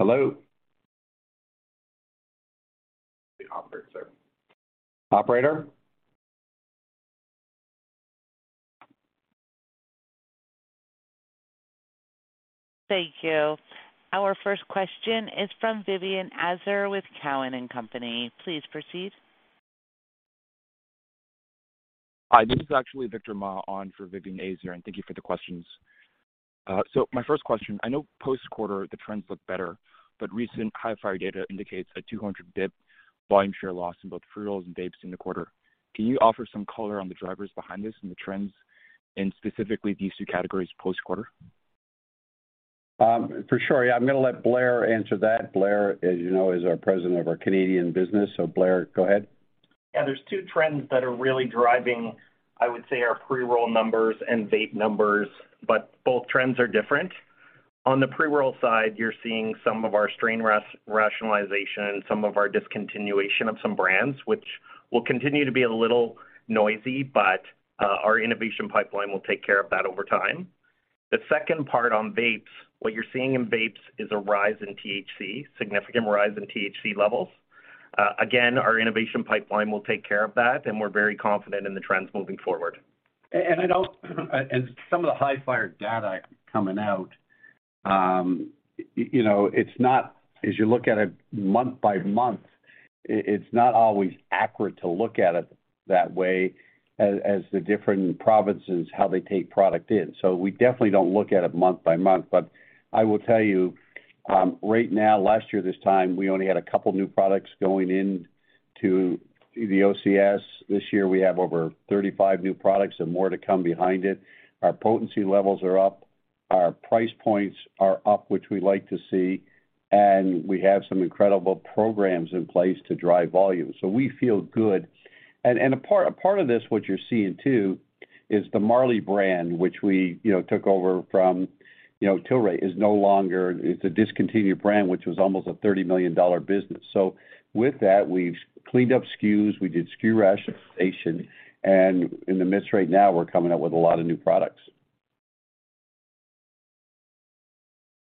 C: Hello? The operator. Operator?
A: Thank you. Our first question is from Vivien Azer with Cowen and Company. Please proceed.
G: Hi, this is actually Victor Ma on for Vivian Azer, and thank you for the questions. My first question: I know post-quarter the trends look better, but recent Hifyre data indicates a 200 basis point volume share loss in both pre-rolls and vapes in the quarter. Can you offer some color on the drivers behind this and the trends in specifically these two categories post-quarter?
C: For sure. Yeah, I'm gonna let Blair answer that. Blair, as you know, is our president of our Canadian business. Blair, go ahead.
E: Yeah. There's two trends that are really driving, I would say, our pre-roll numbers and vape numbers, but both trends are different. On the pre-roll side, you're seeing some of our strain rationalization and some of our discontinuation of some brands, which will continue to be a little noisy, but our innovation pipeline will take care of that over time. The second part on vapes, what you're seeing in vapes is a rise in THC, significant rise in THC levels. Again, our innovation pipeline will take care of that, and we're very confident in the trends moving forward.
C: I don't. As some of the Hifyre data coming out, you know, it's not, as you look at it month by month. It's not always accurate to look at it that way as the different provinces, how they take product in. We definitely don't look at it month by month. I will tell you, right now, last year, this time, we only had a couple new products going in to the OCS. This year, we have over 35 new products and more to come behind it. Our potency levels are up, our price points are up, which we like to see, and we have some incredible programs in place to drive volume. We feel good. A part of this, what you're seeing too is the Marley brand, which we, you know, took over from, you know, Tilray, is no longer. It's a discontinued brand, which was almost a $30 million business. With that, we've cleaned up SKUs. We did SKU rationalization. In the midst right now, we're coming up with a lot of new products.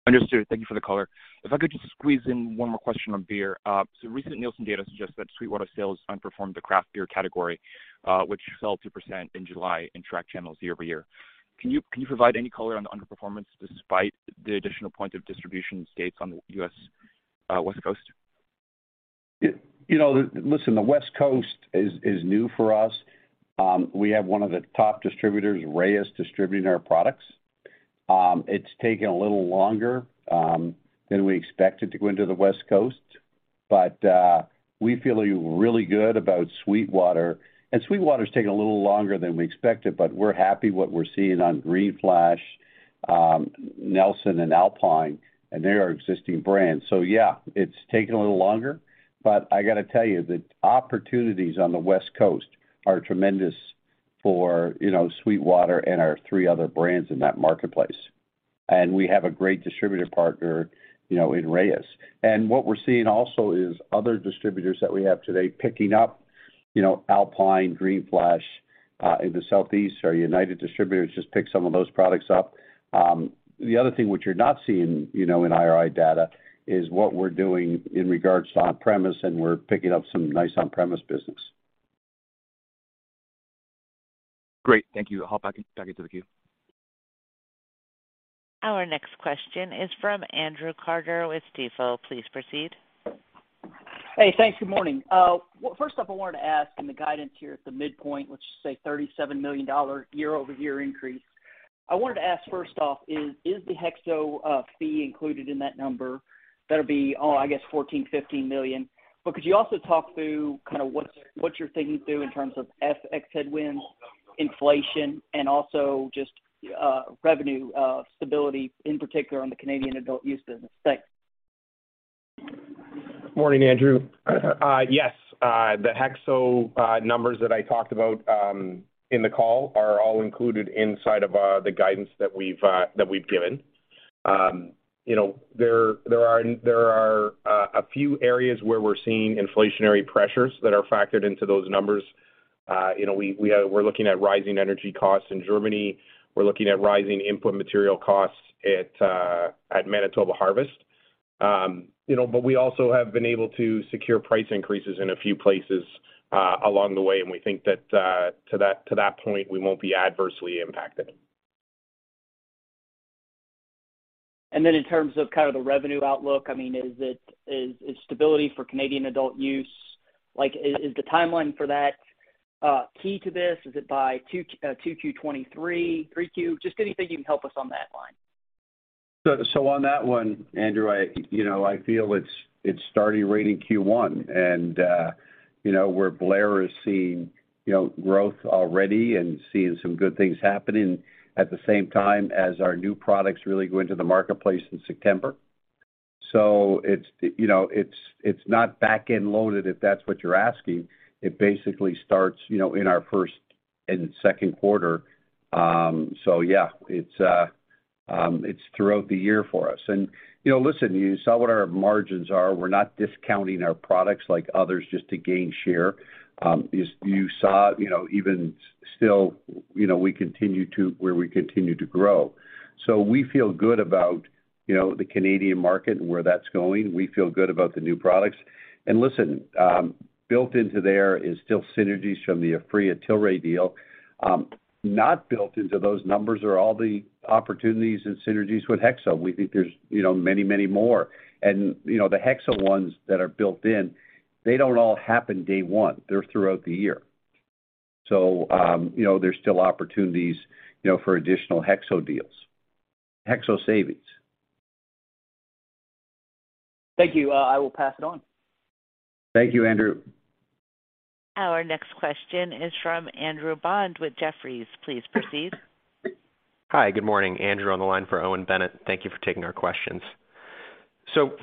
G: Understood. Thank you for the color. If I could just squeeze in one more question on beer. Recent Nielsen data suggests that SweetWater sales underperformed the craft beer category, which fell 2% in July in tracked channels year-over-year. Can you provide any color on the underperformance despite the additional point of distribution states on the U.S. West Coast?
C: You know, listen, the West Coast is new for us. We have one of the top distributors, Reyes, distributing our products. It's taken a little longer than we expected to go into the West Coast, but we feel really good about SweetWater. SweetWater is taking a little longer than we expected, but we're happy what we're seeing on Green Flash, Nelson and Alpine, and they're our existing brands. Yeah, it's taken a little longer, but I got to tell you, the opportunities on the West Coast are tremendous for SweetWater and our three other brands in that marketplace. We have a great distributor partner in Reyes. What we're seeing also is other distributors that we have today picking up Alpine, Green Flash, in the Southeast. Our United Distributors just picked some of those products up. The other thing which you're not seeing, you know, in IRI data is what we're doing in regards to on-premise, and we're picking up some nice on-premise business.
G: Great. Thank you. I'll pop back into the queue.
A: Our next question is from Andrew Carter with Stifel. Please proceed.
H: Hey, thanks. Good morning. Well, first up, I wanted to ask, in the guidance here at the midpoint, which is, say, $37 million year-over-year increase. First off, is the HEXO fee included in that number that'll be, I guess, $14-$15 million. But could you also talk through kind of what you're thinking through in terms of FX headwinds, inflation, and also just revenue stability, in particular on the Canadian adult-use business? Thanks.
F: Morning, Andrew. Yes, the HEXO numbers that I talked about in the call are all included inside of the guidance that we've given. You know, there are a few areas where we're seeing inflationary pressures that are factored into those numbers. We're looking at rising energy costs in Germany. We're looking at rising input material costs at Manitoba Harvest. We also have been able to secure price increases in a few places along the way, and we think that to that point, we won't be adversely impacted.
H: In terms of kind of the revenue outlook, I mean, is it stability for Canadian adult use? Like, is the timeline for that key to this? Is it by 2Q 2023, 3Q? Just anything you can help us on that line.
C: On that one, Andrew, you know, I feel it's starting right in Q1. You know, where Blair is seeing you know, growth already and seeing some good things happening at the same time as our new products really go into the marketplace in September. You know, it's not back-end loaded, if that's what you're asking. It basically starts you know, in our first and second quarter. Yeah, it's throughout the year for us. You know, listen, you saw what our margins are. We're not discounting our products like others just to gain share. You saw you know, even still, you know, we continue to grow. We feel good about you know, the Canadian market and where that's going. We feel good about the new products. Listen, built into there is still synergies from the Aphria-Tilray deal. Not built into those numbers are all the opportunities and synergies with HEXO. We think there's, you know, many, many more. You know, the HEXO ones that are built in, they don't all happen day one. They're throughout the year. There's still opportunities, you know, for additional HEXO deals, HEXO savings.
H: Thank you. I will pass it on.
C: Thank you, Andrew.
A: Our next question is from Andrew Bond with Jefferies. Please proceed.
I: Hi, good morning. Andrew on the line for Owen Bennett, thank you for taking our questions.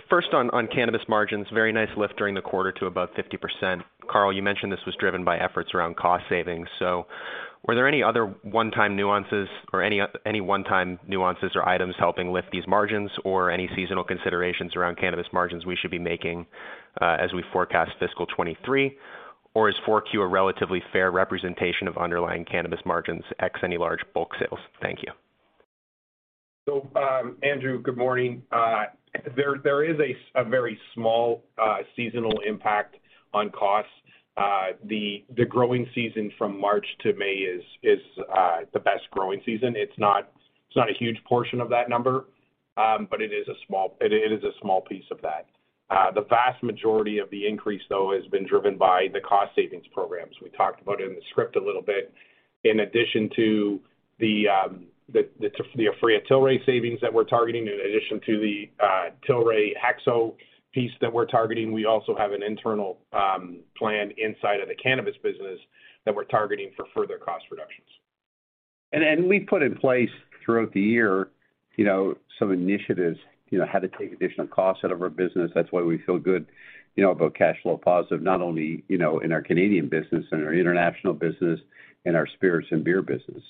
I: First on cannabis margins, very nice lift during the quarter to above 50%. Carl, you mentioned this was driven by efforts around cost savings. Were there any other one-time nuances or items helping lift these margins or any seasonal considerations around cannabis margins we should be making as we forecast fiscal 2023? Or is 4Q a relatively fair representation of underlying cannabis margins, ex any large bulk sales? Thank you.
F: Andrew, good morning. There is a very small seasonal impact on costs. The growing season from March to May is the best growing season. It's not a huge portion of that number, but it is a small piece of that. The vast majority of the increase, though, has been driven by the cost savings programs. We talked about it in the script a little bit. In addition to the Aphria-Tilray savings that we're targeting, in addition to the Tilray-HEXO piece that we're targeting, we also have an internal plan inside of the cannabis business that we're targeting for further cost reductions.
C: And then, we put in place throughout the year, you know, some initiatives, you know, how to take additional costs out of our business. That's why we feel good, you know, about cash flow positive, not only, you know, in our Canadian business, in our international business, in our spirits and beer business.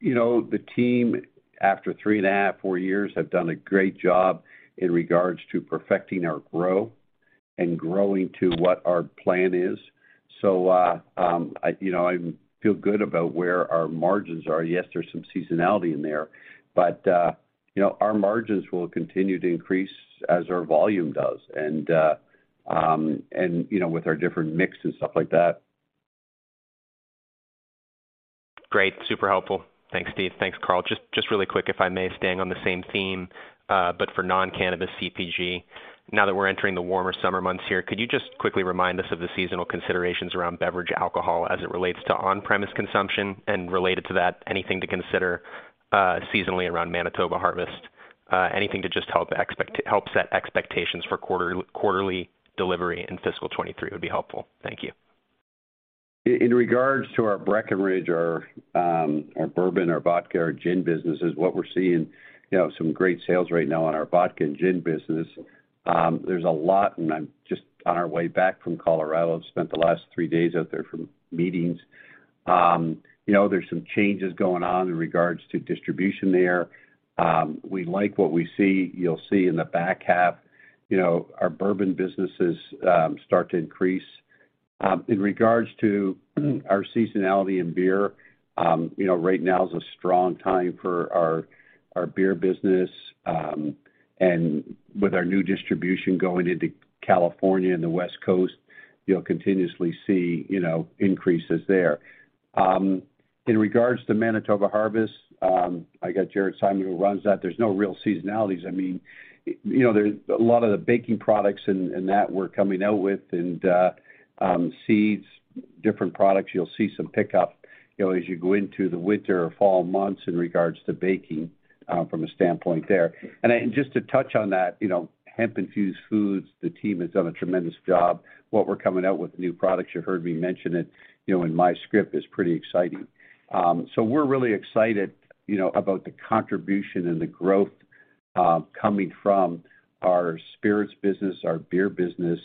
C: You know, the team, after 3.5, 4 years, have done a great job in regards to perfecting our growth and growing to what our plan is. You know, I feel good about where our margins are. Yes, there's some seasonality in there, but, you know, our margins will continue to increase as our volume does and, you know, with our different mix and stuff like that.
I: Great. Super helpful. Thanks, Irwin. Thanks, Carl. Just really quick, if I may, staying on the same theme, but for non-cannabis CPG. Now that we're entering the warmer summer months here, could you just quickly remind us of the seasonal considerations around beverage alcohol as it relates to on-premise consumption? And related to that, anything to consider, seasonally around Manitoba Harvest? Anything to just help set expectations for quarterly delivery in fiscal 2023 would be helpful. Thank you.
C: In regards to our Breckenridge, our bourbon, our vodka, our gin businesses, what we're seeing, you know, some great sales right now on our vodka and gin business. There's a lot, and I'm just on our way back from Colorado. Spent the last three days out there for meetings. You know, there's some changes going on in regards to distribution there. We like what we see. You'll see in the back half, you know, our bourbon businesses start to increase. In regards to our seasonality in beer, you know, right now is a strong time for our beer business. With our new distribution going into California and the West Coast, you'll continuously see, you know, increases there. In regards to Manitoba Harvest, I got Jared Simon who runs that. There's no real seasonalities. I mean, you know, there's a lot of the baking products and that we're coming out with and seeds, different products. You'll see some pickup, you know, as you go into the winter or fall months in regards to baking. From a standpoint there. Just to touch on that, you know, hemp-infused foods, the team has done a tremendous job. What we're coming out with new products, you heard me mention it, you know, in my script, is pretty exciting. We're really excited, you know, about the contribution and the growth coming from our spirits business, our beer business,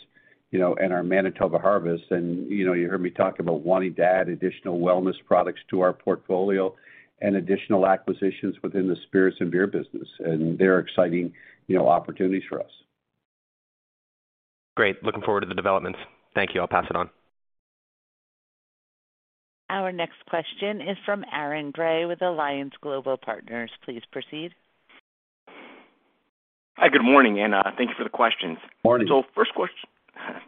C: you know, and our Manitoba Harvest. You know, you heard me talk about wanting to add additional wellness products to our portfolio and additional acquisitions within the spirits and beer business. They're exciting, you know, opportunities for us.
I: Great. Looking forward to the developments. Thank you. I'll pass it on.
A: Our next question is from Aaron Grey with Alliance Global Partners. Please proceed.
J: Hi, good morning, and thank you for the questions.
C: Morning.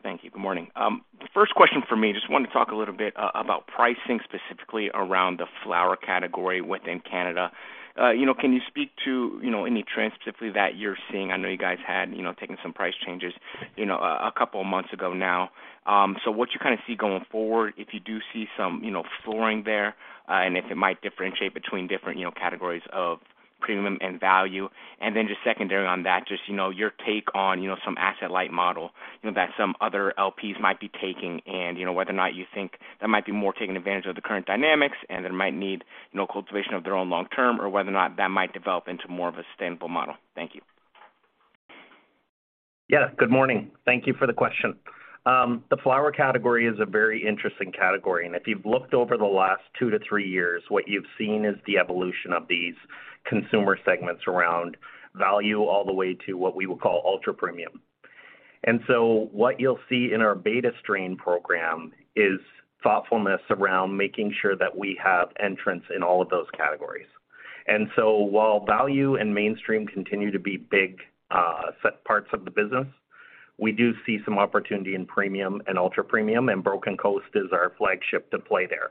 J: Thank you. Good morning. The first question from me, just wanted to talk a little bit about pricing, specifically around the flower category within Canada. You know, can you speak to, you know, any trends specifically that you're seeing? I know you guys had, you know, taken some price changes, you know, a couple of months ago now. What you kind of see going forward, if you do see some, you know, flooring there, and if it might differentiate between different, you know, categories of premium and value. Just secondary on that, just, you know, your take on, you know, some asset-light model, you know, that some other LPs might be taking and, you know, whether or not you think that might be more taking advantage of the current dynamics and they might need no cultivation of their own long term, or whether or not that might develop into more of a sustainable model. Thank you.
E: Yeah. Good morning. Thank you for the question. The flower category is a very interesting category, and if you've looked over the last two to three years, what you've seen is the evolution of these consumer segments around value all the way to what we would call ultra premium. What you'll see in our beta strain program is thoughtfulness around making sure that we have entrants in all of those categories. While value and mainstream continue to be big, set parts of the business, we do see some opportunity in premium and ultra premium, and Broken Coast is our flagship to play there.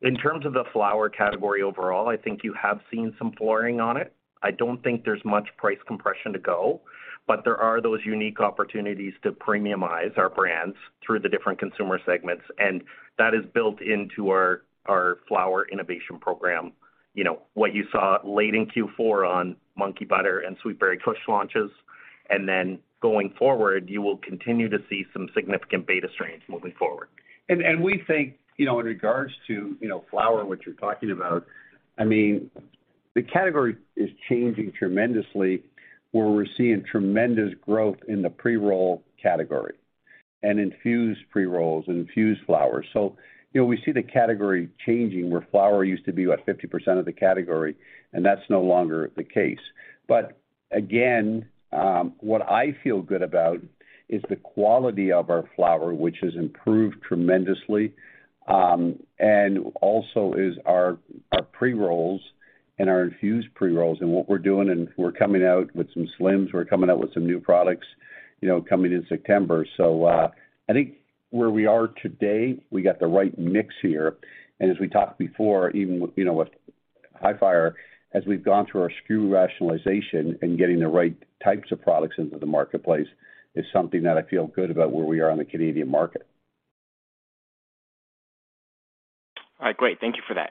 E: In terms of the flower category overall, I think you have seen some flooring on it. I don't think there's much price compression to go, but there are those unique opportunities to premiumize our brands through the different consumer segments, and that is built into our flower innovation program, you know, what you saw late in Q4 on Monkey Butter and Sweet Berry Kush launches. Then going forward, you will continue to see some significant beta strains moving forward.
C: We think, you know, in regards to, you know, flower, what you're talking about, I mean, the category is changing tremendously, where we're seeing tremendous growth in the pre-roll category and infused pre-rolls and infused flowers. You know, we see the category changing, where flower used to be about 50% of the category, and that's no longer the case. Again, what I feel good about is the quality of our flower, which has improved tremendously, and also is our pre-rolls and our infused pre-rolls and what we're doing, and we're coming out with some slims. We're coming out with some new products, you know, coming in September. I think where we are today, we got the right mix here. As we talked before, even with, you know, with Hifyre, as we've gone through our SKU rationalization and getting the right types of products into the marketplace, is something that I feel good about where we are on the Canadian market.
J: All right, great. Thank you for that.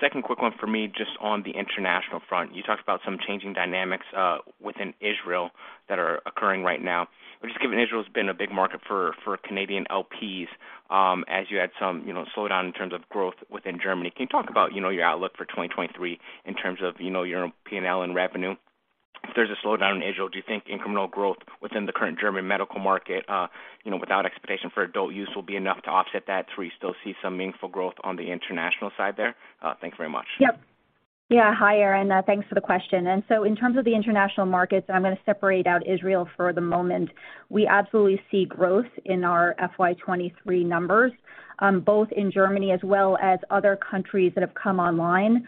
J: Second quick one for me, just on the international front. You talked about some changing dynamics within Israel that are occurring right now. Just given Israel has been a big market for Canadian LPs, as you had some you know slowdown in terms of growth within Germany. Can you talk about you know your outlook for 2023 in terms of you know your P&L and revenue? If there's a slowdown in Israel, do you think incremental growth within the current German medical market you know without expectation for adult use will be enough to offset that, so we still see some meaningful growth on the international side there? Thanks very much.
D: Hi, Aaron. Thanks for the question. In terms of the international markets, I'm gonna separate out Israel for the moment. We absolutely see growth in our FY 2023 numbers, both in Germany as well as other countries that have come online.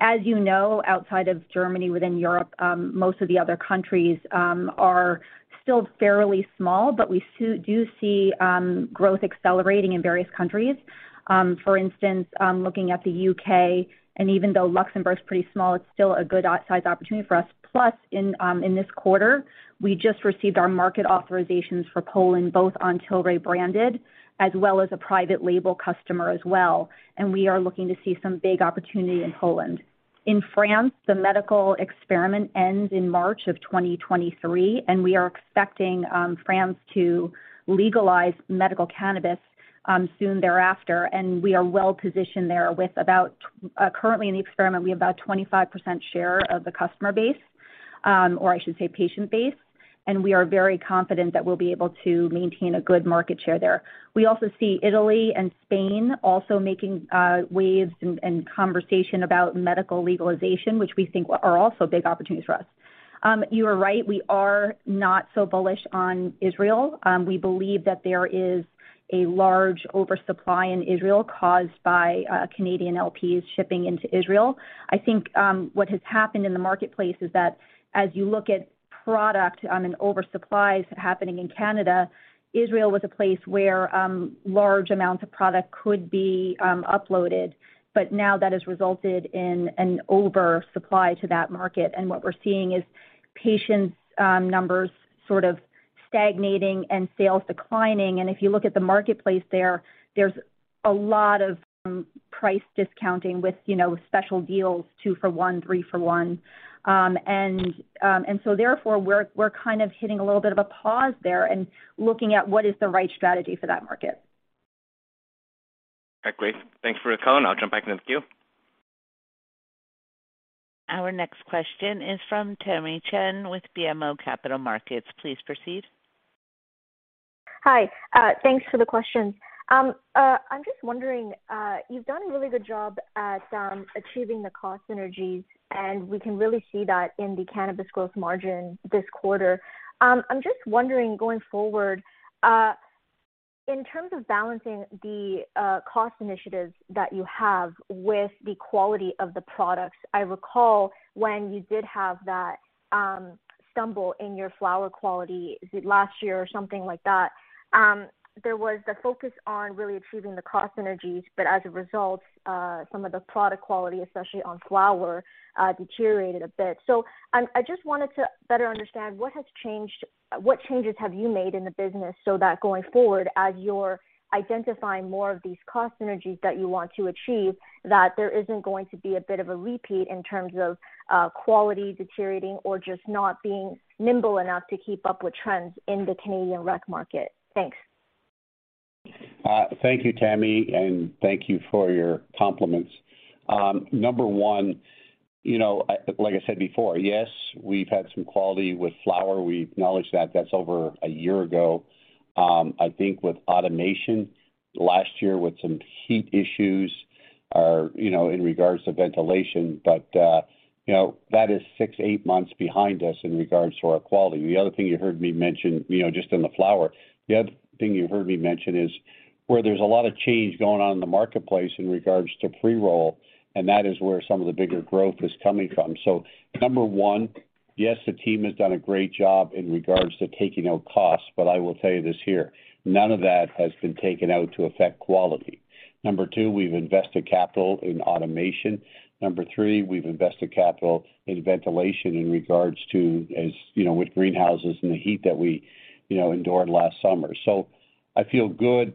D: As you know, outside of Germany, within Europe, most of the other countries are still fairly small, but we do see growth accelerating in various countries. For instance, looking at the U.K., and even though Luxembourg is pretty small, it's still a good-sized opportunity for us. Plus, in this quarter, we just received our market authorizations for Poland, both on Tilray-branded as well as a private label customer as well, and we are looking to see some big opportunity in Poland. In France, the medical experiment ends in March 2023, and we are expecting France to legalize medical cannabis soon thereafter. We are well positioned there. Currently in the experiment, we have about 25% share of the customer base, or I should say patient base, and we are very confident that we'll be able to maintain a good market share there. We also see Italy and Spain also making waves and conversation about medical legalization, which we think are also big opportunities for us. You are right, we are not so bullish on Israel. We believe that there is a large oversupply in Israel caused by Canadian LPs shipping into Israel. I think, what has happened in the marketplace is that as you look at product and oversupplies happening in Canada, Israel was a place where, large amounts of product could be, uploaded, but now that has resulted in an oversupply to that market. What we're seeing is patients, numbers sort of Stagnating and sales declining. If you look at the marketplace there's a lot of price discounting with, you know, special deals, two for one, three for one. Therefore, we're kind of hitting a little bit of a pause there and looking at what is the right strategy for that market.
E: Okay, great. Thanks for the call. I'll jump back in the queue.
A: Our next question is from Tamy Chen with BMO Capital Markets. Please proceed.
K: Hi. Thanks for the questions. I'm just wondering, you've done a really good job at achieving the cost synergies, and we can really see that in the cannabis gross margin this quarter. I'm just wondering, going forward, in terms of balancing the cost initiatives that you have with the quality of the products. I recall when you did have that stumble in your flower quality last year or something like that. There was the focus on really achieving the cost synergies, but as a result, some of the product quality, especially on flower, deteriorated a bit. I just wanted to better understand what has changed. What changes have you made in the business so that going forward, as you're identifying more of these cost synergies that you want to achieve, that there isn't going to be a bit of a repeat in terms of quality deteriorating or just not being nimble enough to keep up with trends in the Canadian rec market? Thanks.
C: Thank you, Tamy. Thank you for your compliments. Number one, you know, like I said before, yes, we've had some quality issues with flower. We acknowledge that. That's over a year ago. I think with automation last year with some heat issues or, you know, in regards to ventilation. You know, that is six to eight months behind us in regards to our quality. The other thing you heard me mention, you know, just on the flower, is where there's a lot of change going on in the marketplace in regards to pre-roll, and that is where some of the bigger growth is coming from. Number one, yes, the team has done a great job in regards to taking out costs. I will tell you this here, none of that has been taken out to affect quality. Number two, we've invested capital in automation. Number three, we've invested capital in ventilation in regards to, as, you know, with greenhouses and the heat that we, you know, endured last summer. I feel good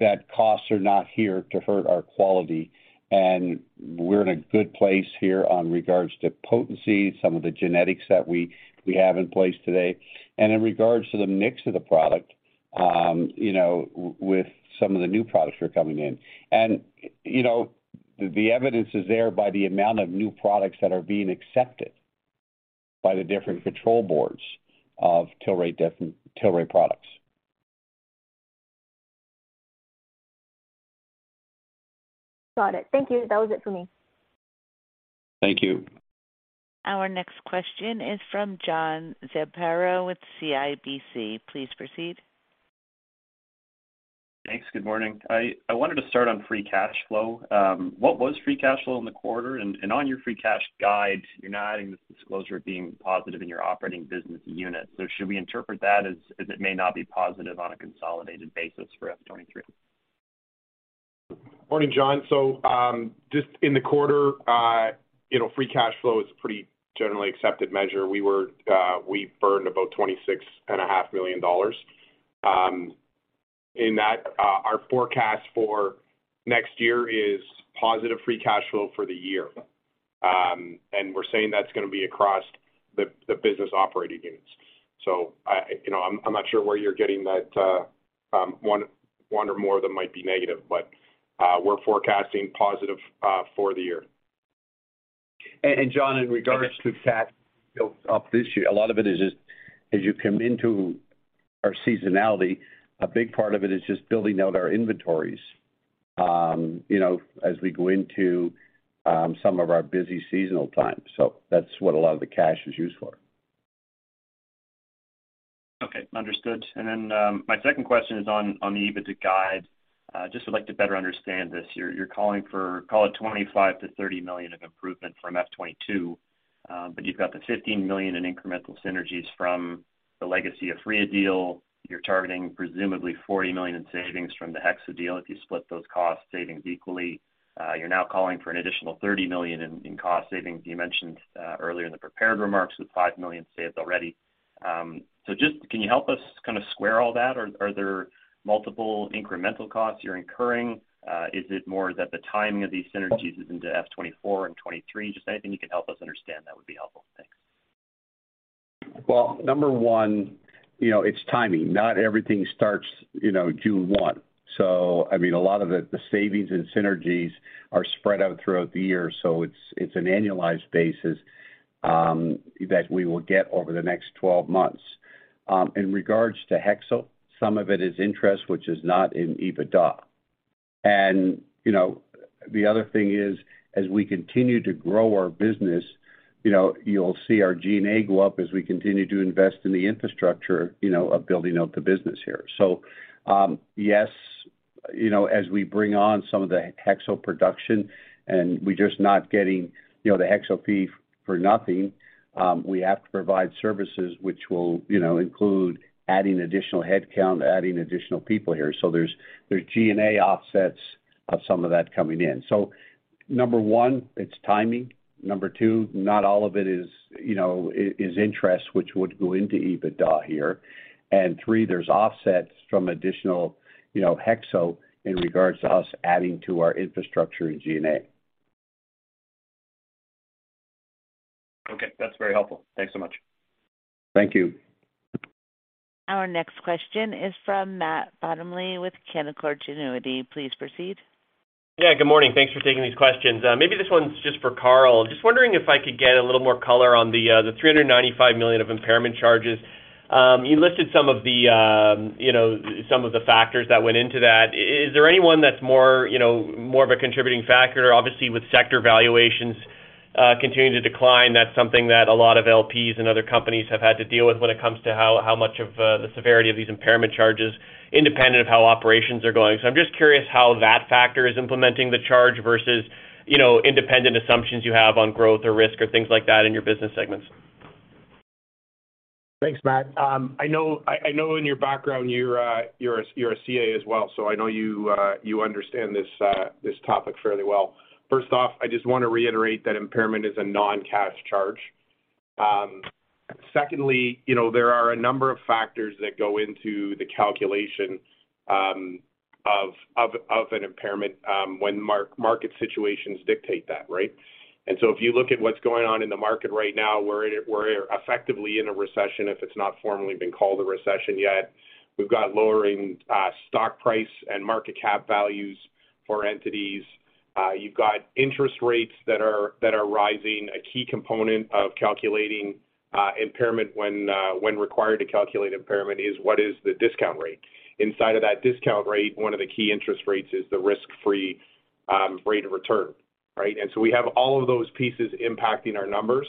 C: that costs are not here to hurt our quality. We're in a good place here on regards to potency, some of the genetics that we have in place today. In regards to the mix of the product, you know, with some of the new products that are coming in. You know, the evidence is there by the amount of new products that are being accepted by the different control boards of Tilray Tilray products.
K: Got it. Thank you. That was it for me.
C: Thank you.
A: Our next question is from John Zamparo with CIBC. Please proceed.
L: Thanks. Good morning. I wanted to start on free cash flow. What was free cash flow in the quarter? And on your free cash guide, you're not adding this disclosure being positive in your operating business unit. Should we interpret that as it may not be positive on a consolidated basis for FY 2023?
F: Morning, John. Just in the quarter, you know, free cash flow is a pretty generally accepted measure. We burned about $26.5 million. In that, our forecast for next year is positive free cash flow for the year. And we're saying that's gonna be across the business operating units. I, you know, I'm not sure where you're getting that, one or more of them might be negative. We're forecasting positive for the year.
L: John, in regards to cash build up this year, a lot of it is just as you come into our seasonality, a big part of it is just building out our inventories, you know, as we go into some of our busy seasonal times. That's what a lot of the cash is used for. Okay. Understood. My second question is on the EBITDA guide. Just would like to better understand this. You're calling for, call it $25 million-$30 million of improvement from FY 2022. You've got the $15 million in incremental synergies from the legacy Aphria deal. You're targeting presumably $40 million in savings from the HEXO deal if you split those cost savings equally.
C: You're now calling for an additional $30 million in cost savings. You mentioned earlier in the prepared remarks with $5 million saved already. So just can you help us kind of square all that? Or are there multiple incremental costs you're incurring? Is it more that the timing of these synergies is into FY 2024 and 2023? Just anything you can help us understand that would be helpful. Thanks. Well, number one, you know, it's timing. Not everything starts, you know, June 1. I mean, a lot of it, the savings and synergies are spread out throughout the year. It's an annualized basis that we will get over the next 12 months. In regards to HEXO, some of it is interest which is not in EBITDA. You know, the other thing is, as we continue to grow our business, you know, you'll see our G&A go up as we continue to invest in the infrastructure, you know, of building out the business here. Yes, you know, as we bring on some of the HEXO production and we're just not getting, you know, the HEXO fee for nothing, we have to provide services which will, you know, include adding additional headcount, adding additional people here. There's G&A offsets of some of that coming in. Number one, it's timing. Number two, not all of it is, you know, is interest, which would go into EBITDA here. Three, there's offsets from additional, you know, HEXO in regards to us adding to our infrastructure in G&A.
L: Okay. That's very helpful. Thanks so much.
C: Thank you.
A: Our next question is from Matt Bottomley with Canaccord Genuity. Please proceed.
M: Yeah, good morning. Thanks for taking these questions. Maybe this one's just for Carl. Just wondering if I could get a little more color on the $395 million of impairment charges. You listed some of the, you know, some of the factors that went into that. Is there anyone that's more, you know, more of a contributing factor? Obviously, with sector valuations continuing to decline, that's something that a lot of LPs and other companies have had to deal with when it comes to how much of the severity of these impairment charges independent of how operations are going. I'm just curious how that factor is impacting the charge versus, you know, independent assumptions you have on growth or risk or things like that in your business segments.
F: Thanks, Matt. I know in your background, you're a CA as well, so I know you understand this topic fairly well. First off, I just wanna reiterate that impairment is a non-cash charge. Secondly, you know, there are a number of factors that go into the calculation of an impairment when market situations dictate that, right? If you look at what's going on in the market right now, we're effectively in a recession, if it's not formally been called a recession yet. We've got lowering stock price and market cap values for entities. You've got interest rates that are rising. A key component of calculating impairment when required to calculate impairment is what is the discount rate. Inside of that discount rate, one of the key interest rates is the risk-free rate of return, right? We have all of those pieces impacting our numbers.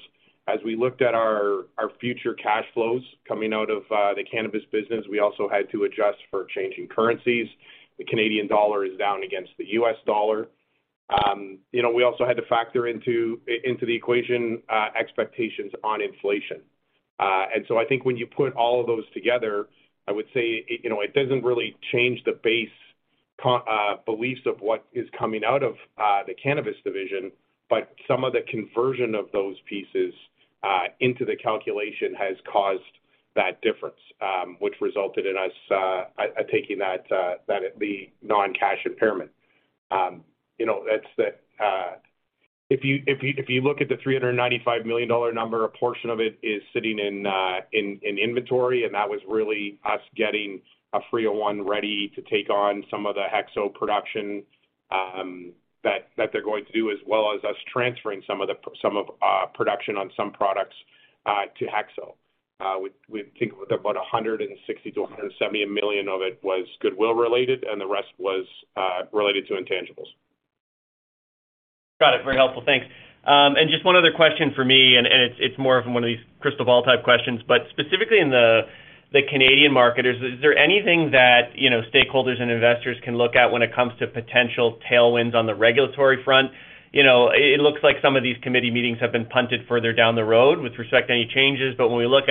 F: As we looked at our future cash flows coming out of the cannabis business, we also had to adjust for changing currencies. The Canadian dollar is down against the U.S. dollar. You know, we also had to factor into the equation expectations on inflation. I think when you put all of those together, I would say, you know, it doesn't really change the base beliefs of what is coming out of the cannabis division, but some of the conversion of those pieces into the calculation has caused that difference, which resulted in us taking that non-cash impairment. You know, it's the if you look at the $395 million number, a portion of it is sitting in inventory, and that was really us getting 301 ready to take on some of the HEXO production that they're going to do, as well as us transferring some of the production on some products to HEXO. We think about $160 million-$170 million of it was goodwill related, and the rest was related to intangibles.
M: Got it. Very helpful. Thanks. Just one other question for me, and it's more of one of these crystal ball type questions. Specifically in the Canadian market, is there anything that, you know, stakeholders and investors can look at when it comes to potential tailwinds on the regulatory front? You know, it looks like some of these committee meetings have been punted further down the road with respect to any changes, but when we look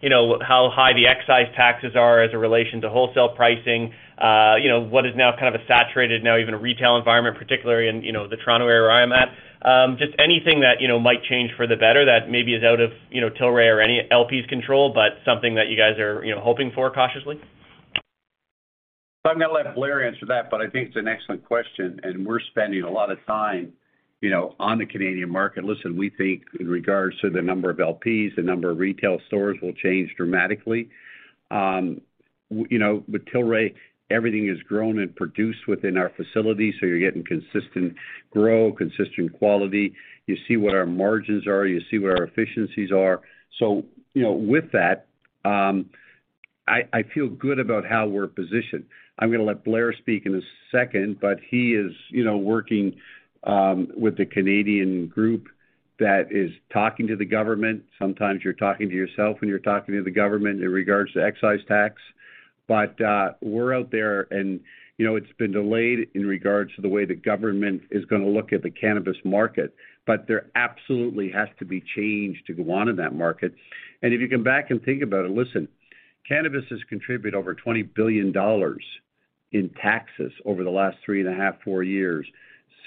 M: at, you know, how high the excise taxes are as a relation to wholesale pricing, you know, what is now kind of a saturated even retail environment, particularly in, you know, the Toronto area where I am at, just anything that, you know, might change for the better that maybe is out of, you know, Tilray or any LP's control, but something that you guys are, you know, hoping for cautiously.
C: I'm gonna let Blair answer that, but I think it's an excellent question, and we're spending a lot of time, you know, on the Canadian market. Listen, we think in regards to the number of LPs, the number of retail stores will change dramatically. You know, with Tilray, everything is grown and produced within our facility, so you're getting consistent growth, consistent quality. You see what our margins are, you see what our efficiencies are. You know, with that, I feel good about how we're positioned. I'm gonna let Blair speak in a second, but he is, you know, working with the Canadian group that is talking to the government. Sometimes you're talking to yourself when you're talking to the government in regards to excise tax. We're out there and, you know, it's been delayed in regards to the way the government is gonna look at the cannabis market. There absolutely has to be change to go on in that market. If you come back and think about it, listen, cannabis has contributed over $20 billion in taxes over the last 3.5, four years,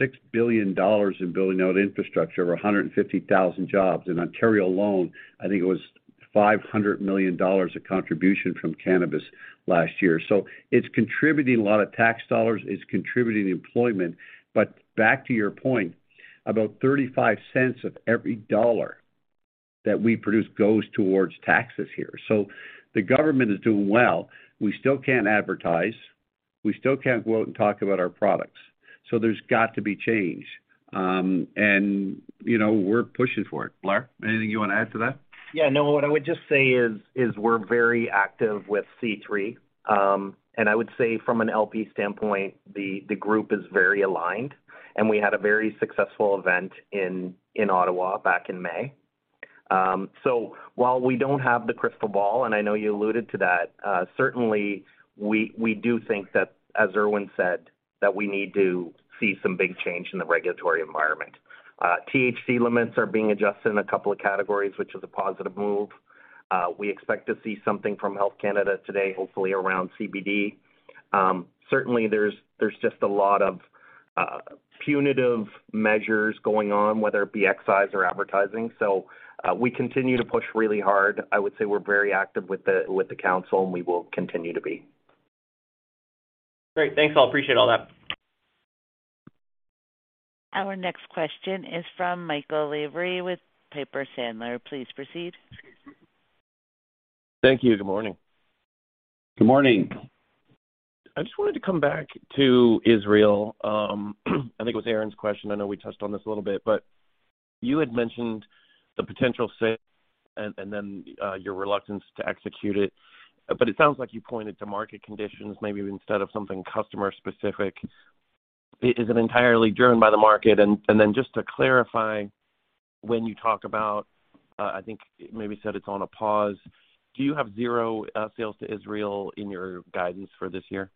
C: $6 billion in building out infrastructure, over 150,000 jobs. In Ontario alone, I think it was $500 million of contribution from cannabis last year. It's contributing a lot of tax dollars, it's contributing employment. Back to your point, about $0.35 of every dollar that we produce goes towards taxes here. The government is doing well. We still can't advertise. We still can't go out and talk about our products. There's got to be change. You know, we're pushing for it. Blair, anything you wanna add to that?
E: Yeah. No, what I would just say is, we're very active with C3. I would say from an LP standpoint, the group is very aligned. We had a very successful event in Ottawa back in May. While we don't have the crystal ball, and I know you alluded to that, certainly we do think that, as Irwin said, that we need to see some big change in the regulatory environment. THC limits are being adjusted in a couple of categories, which is a positive move. We expect to see something from Health Canada today, hopefully around CBD. Certainly there's just a lot of punitive measures going on, whether it be excise or advertising. We continue to push really hard. I would say we're very active with the council, and we will continue to be.
M: Great. Thanks all. Appreciate all that.
A: Our next question is from Michael Lavery with Piper Sandler. Please proceed.
N: Thank you. Good morning.
C: Good morning.
G: I just wanted to come back to Israel. I think it was Aaron's question. I know we touched on this a little bit, but you had mentioned the potential sale and then your reluctance to execute it. It sounds like you pointed to market conditions maybe instead of something customer specific. Is it entirely driven by the market? Just to clarify, when you talk about, I think maybe you said it's on a pause, do you have zero sales to Israel in your guidance for this year?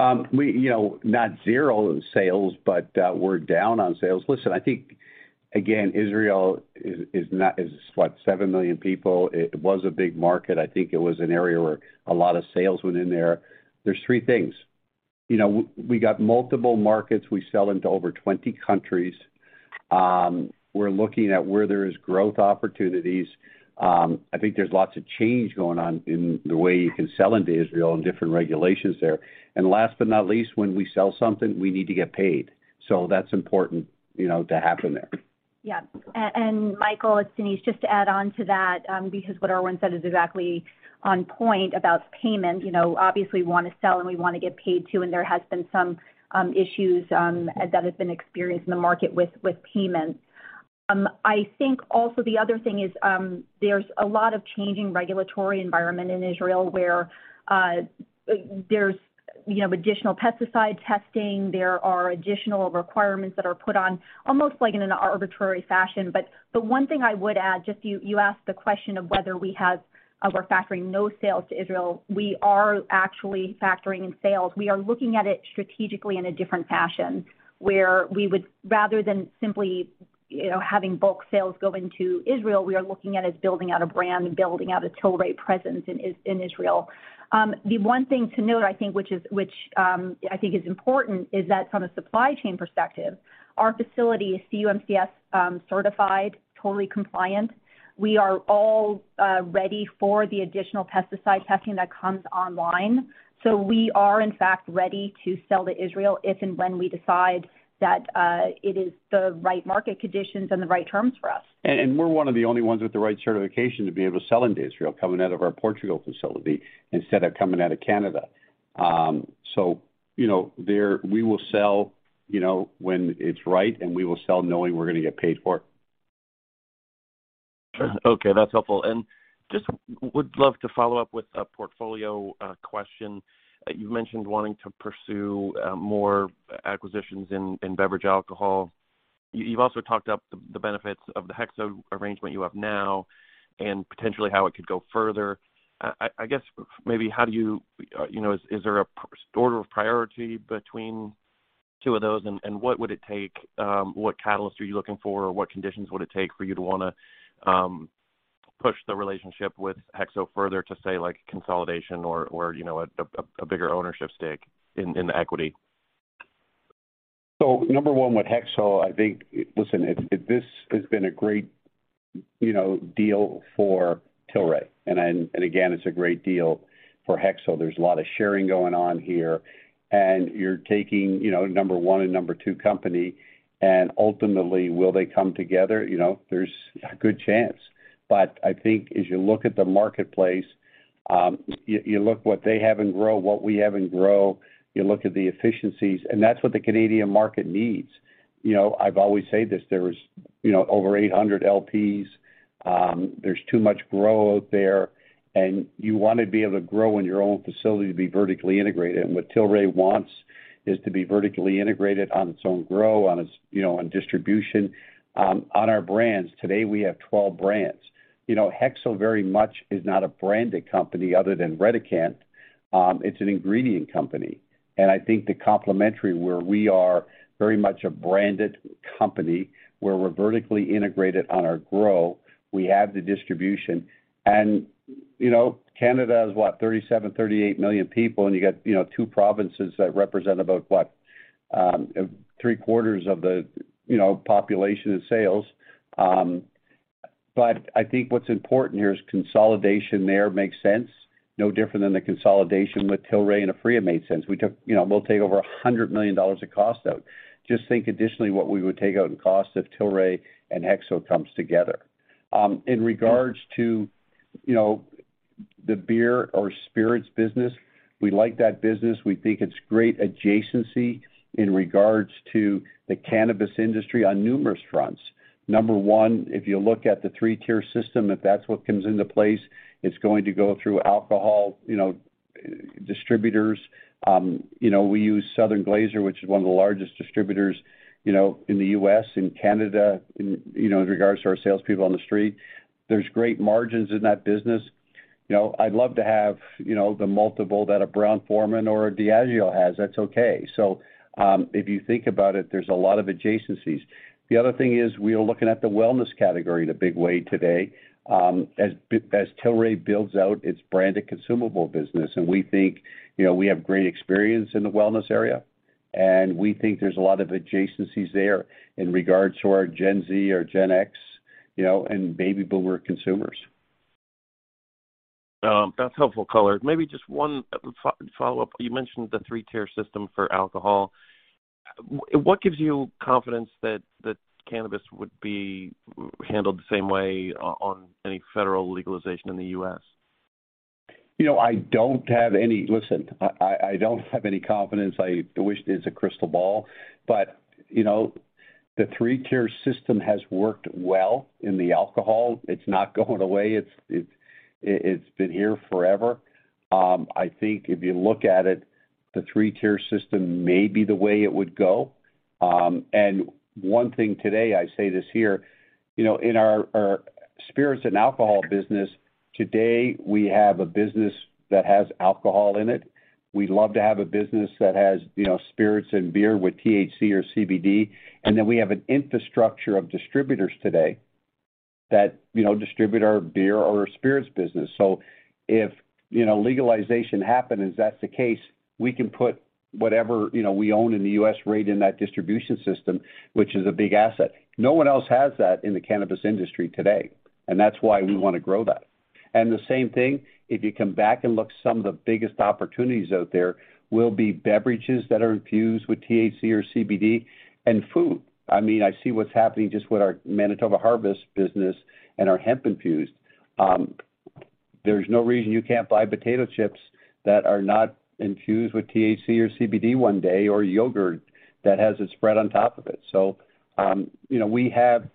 C: You know, not zero sales, but we're down on sales. Listen, I think, again, Israel is not what? 7 million people. It was a big market. I think it was an area where a lot of sales went in there. There's three things. You know, we got multiple markets. We sell into over 20 countries. We're looking at where there is growth opportunities. I think there's lots of change going on in the way you can sell into Israel and different regulations there. Last but not least, when we sell something, we need to get paid. So that's important, you know, to happen there.
D: Yeah. Michael, it's Denise. Just to add on to that, because what Irwin said is exactly on point about payment. You know, obviously, we wanna sell and we wanna get paid too, and there has been some issues that have been experienced in the market with payments. I think also the other thing is, there's a lot of changing regulatory environment in Israel where there's you know additional pesticide testing, there are additional requirements that are put on, almost like in an arbitrary fashion. But one thing I would add, just you asked the question of whether we're factoring no sales to Israel. We are actually factoring in sales. We are looking at it strategically in a different fashion, where we would, rather than simply, you know, having bulk sales go into Israel, we are looking at building out a brand and building out a Tilray presence in Israel. The one thing to note, I think, which is important, is that from a supply chain perspective, our facility is CUMCS certified, totally compliant. We are all ready for the additional pesticide testing that comes online. We are, in fact, ready to sell to Israel if and when we decide that it is the right market conditions and the right terms for us.
C: We're one of the only ones with the right certification to be able to sell into Israel coming out of our Portugal facility instead of coming out of Canada. You know, we will sell, you know, when it's right, and we will sell knowing we're gonna get paid for it.
N: Okay, that's helpful. Just would love to follow up with a portfolio question. You mentioned wanting to pursue more acquisitions in beverage alcohol. You've also talked up the benefits of the HEXO arrangement you have now and potentially how it could go further. I guess maybe how do you. You know, is there an order of priority between two of those, and what would it take, what catalyst are you looking for? What conditions would it take for you to wanna push the relationship with HEXO further to, say, like, consolidation or, you know, a bigger ownership stake in the equity?
C: Number one with HEXO, I think. Listen, this has been a great, you know, deal for Tilray. Again, it's a great deal for HEXO. There's a lot of sharing going on here. You're taking, you know, number one and number two company, and ultimately, will they come together? You know, there's a good chance. I think as you look at the marketplace, you look what they have in grow, what we have in grow, you look at the efficiencies, and that's what the Canadian market needs. You know, I've always said this, there is, you know, over 800 LPs. There's too much grow out there, and you wanna be able to grow in your own facility to be vertically integrated. What Tilray wants is to be vertically integrated on its own grow, on its, you know, on distribution, on our brands. Today, we have 12 brands. You know, HEXO very much is not a branded company other than Redecan. It's an ingredient company. I think the complementary where we are very much a branded company, where we're vertically integrated on our grow, we have the distribution. You know, Canada is what? 37-38 million people, and you got, you know, two provinces that represent about, what? Three-quarters of the, you know, population and sales. But I think what's important here is consolidation there makes sense, no different than the consolidation with Tilray and Aphria made sense. We took. You know, we'll take over $100 million of cost out. Just think additionally what we would take out in cost if Tilray and HEXO come together. In regards to, you know, the beer or spirits business, we like that business. We think it's great adjacency in regards to the cannabis industry on numerous fronts. Number one, if you look at the three-tier system, if that's what comes into place, it's going to go through alcohol, you know, distributors. You know, we use Southern Glazer's, which is one of the largest distributors, you know, in the U.S., in Canada, you know, in regards to our salespeople on the street. There's great margins in that business. You know, I'd love to have, you know, the multiple that a Brown-Forman or a Diageo has. That's okay. If you think about it, there's a lot of adjacencies. The other thing is we are looking at the wellness category in a big way today, as Tilray builds out its brand of consumable business. We think, you know, we have great experience in the wellness area, and we think there's a lot of adjacencies there in regards to our Gen Z or Gen X, you know, and baby boomer consumers.
N: That's helpful color. Maybe just one follow-up. You mentioned the three-tier system for alcohol. What gives you confidence that cannabis would be handled the same way on any federal legalization in the U.S.?
C: You know, I don't have any. Listen, I don't have any confidence. I wish there's a crystal ball. You know, the three-tier system has worked well in the alcohol. It's not going away. It's been here forever. I think if you look at it, the three-tier system may be the way it would go. One thing today, I say this here, you know, in our spirits and alcohol business, today, we have a business that has alcohol in it. We'd love to have a business that has, you know, spirits and beer with THC or CBD, and then we have an infrastructure of distributors today that, you know, distribute our beer or our spirits business. If, you know, legalization happens, that's the case, we can put whatever, you know, we own in the U.S. right in that distribution system, which is a big asset. No one else has that in the cannabis industry today, and that's why we wanna grow that. The same thing, if you come back and look, some of the biggest opportunities out there will be beverages that are infused with THC or CBD and food. I mean, I see what's happening just with our Manitoba Harvest business and our hemp-infused. There's no reason you can't buy potato chips that are not infused with THC or CBD one day, or yogurt that has it spread on top of it. You know, we have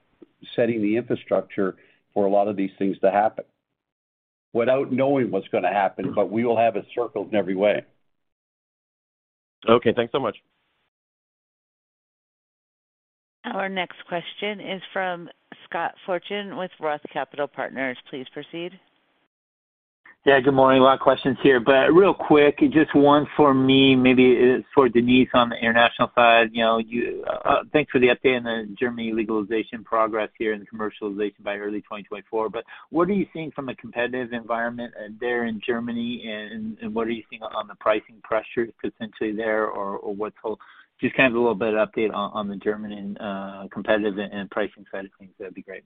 C: Setting the infrastructure for a lot of these things to happen without knowing what's gonna happen, but we will have it covered in every way.
N: Okay. Thanks so much.
A: Our next question is from Scott Fortune with ROTH Capital Partners. Please proceed.
O: Yeah. Good morning. A lot of questions here, but real quick, just one for me, maybe it's for Denise on the international side. You know, thanks for the update on the Germany legalization progress here and the commercialization by early 2024. But what are you seeing from a competitive environment there in Germany and what are you seeing on the pricing pressures potentially there or what's just kind of a little bit of update on the German competitive and pricing side of things, that'd be great.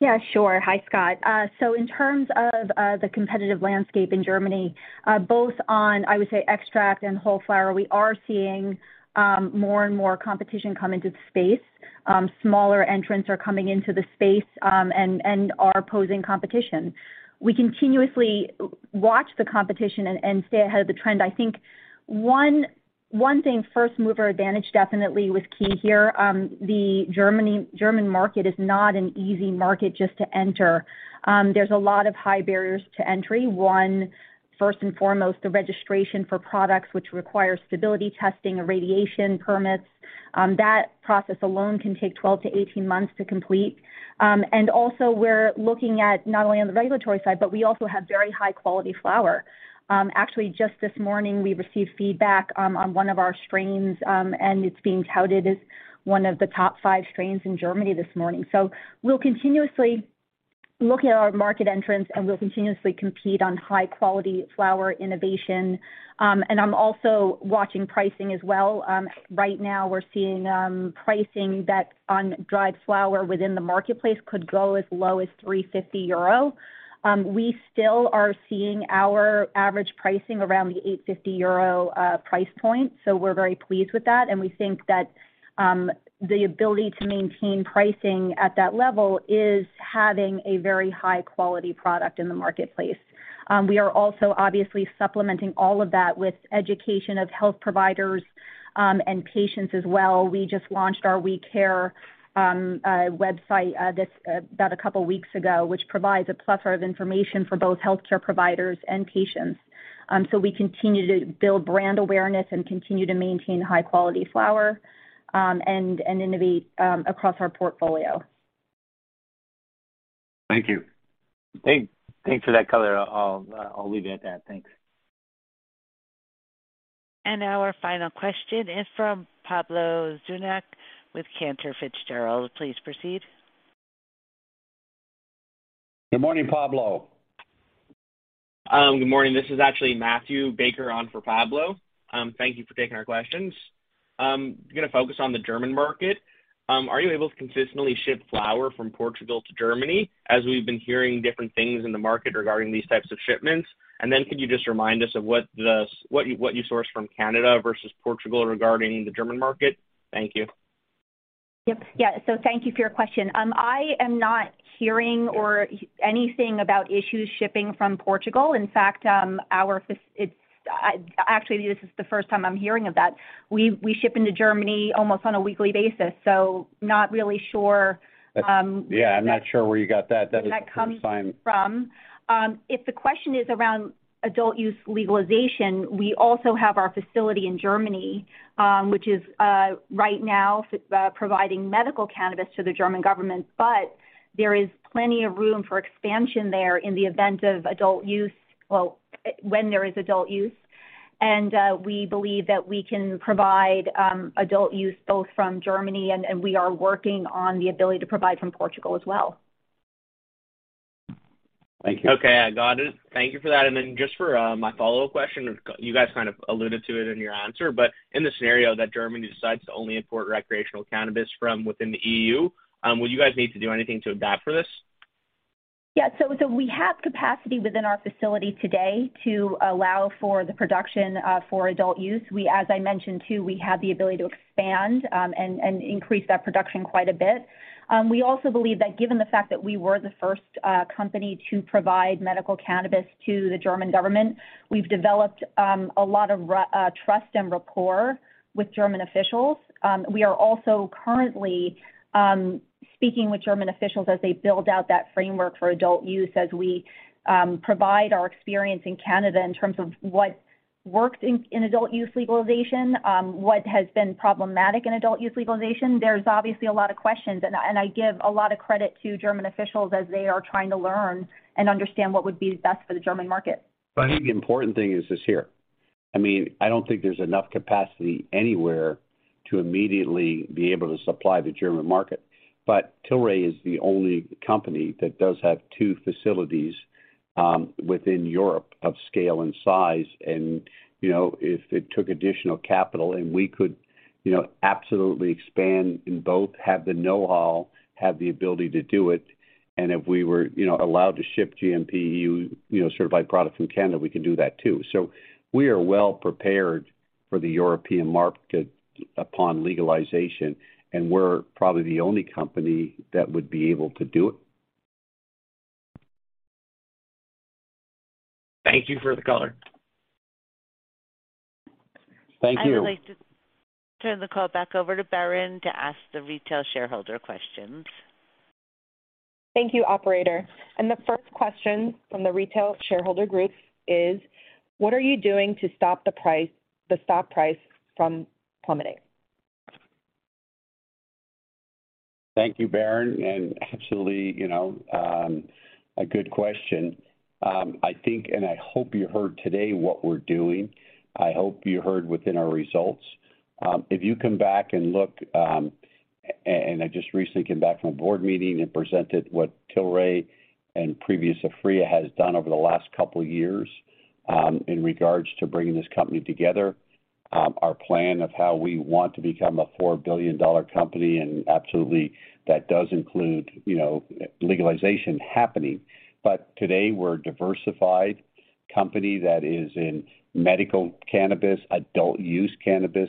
D: Yeah, sure. Hi, Scott. So in terms of the competitive landscape in Germany, both on, I would say, extract and whole flower, we are seeing more and more competition come into the space. Smaller entrants are coming into the space and are posing competition. We continuously watch the competition and stay ahead of the trend. I think one thing, first mover advantage definitely was key here. The German market is not an easy market just to enter. There's a lot of high barriers to entry. One, first and foremost, the registration for products which require stability testing and radiation permits. That process alone can take 12-18 months to complete. Also we're looking at not only on the regulatory side, but we also have very high quality flower. Actually, just this morning, we received feedback on one of our strains, and it's being touted as one of the top five strains in Germany this morning. We'll continuously look at our market entrance, and we'll continuously compete on high quality flower innovation. I'm also watching pricing as well. Right now we're seeing pricing that on dried flower within the marketplace could go as low as 3.50 euro. We still are seeing our average pricing around the 8.50 euro price point. We're very pleased with that, and we think that the ability to maintain pricing at that level is having a very high quality product in the marketplace. We are also obviously supplementing all of that with education of health providers and patients as well. We just launched our WeCare-MedicalCannabis website about a couple of weeks ago, which provides a plethora of information for both healthcare providers and patients. We continue to build brand awareness and continue to maintain high quality flower and innovate across our portfolio.
O: Thank you. Thanks for that color. I'll leave it at that. Thanks.
A: Our final question is from Pablo Zuanic with Cantor Fitzgerald. Please proceed.
C: Good morning, Pablo.
P: Good morning. This is actually Matthew Baker on for Pablo. Thank you for taking our questions. Gonna focus on the German market. Are you able to consistently ship flower from Portugal to Germany, as we've been hearing different things in the market regarding these types of shipments? Could you just remind us of what you source from Canada versus Portugal regarding the German market? Thank you.
D: Yeah. Thank you for your question. I am not hearing anything about issues shipping from Portugal. In fact, actually, this is the first time I'm hearing of that. We ship into Germany almost on a weekly basis, so not really sure.
C: Yeah, I'm not sure where you got that.
D: Where that comes from. If the question is around adult use legalization, we also have our facility in Germany, which is right now providing medical cannabis to the German government, but there is plenty of room for expansion there in the event of adult use. Well, when there is adult use. We believe that we can provide adult use both from Germany, and we are working on the ability to provide from Portugal as well.
C: Thank you.
P: Okay. I got it. Thank you for that. Then just for my follow question, you guys kind of alluded to it in your answer. In the scenario that Germany decides to only import recreational cannabis from within the EU, will you guys need to do anything to adapt for this?
D: We have capacity within our facility today to allow for the production for adult use. We, as I mentioned, too, have the ability to expand and increase that production quite a bit. We also believe that given the fact that we were the first company to provide medical cannabis to the German government, we have developed a lot of trust and rapport with German officials. We are also currently speaking with German officials as they build out that framework for adult use as we provide our experience in Canada in terms of what works in adult use legalization, what has been problematic in adult use legalization. There's obviously a lot of questions, and I give a lot of credit to German officials as they are trying to learn and understand what would be best for the German market.
C: I think the important thing is this here, I mean, I don't think there's enough capacity anywhere to immediately be able to supply the German market. Tilray is the only company that does have two facilities within Europe of scale and size. You know, if it took additional capital and we could, you know, absolutely expand in both, have the know-how, have the ability to do it, and if we were, you know, allowed to ship EU GMP, you know, certified product from Canada, we can do that, too. We are well prepared for the European market upon legalization, and we're probably the only company that would be able to do it.
P: Thank you for the color.
C: Thank you.
A: I'd like to turn the call back over to Berrin Noorata to ask the retail shareholder questions.
B: Thank you, operator. The first question from the retail shareholder group is, what are you doing to stop the price, the stock price from plummeting?
C: Thank you, Berrin. Absolutely, you know, a good question. I think and I hope you heard today what we're doing. I hope you heard within our results. If you come back and look, and I just recently came back from a board meeting and presented what Tilray and previous Aphria has done over the last couple of years, in regards to bringing this company together, our plan of how we want to become a $4 billion company, and absolutely that does include, you know, legalization happening. Today, we're a diversified company that is in medical cannabis, adult use cannabis,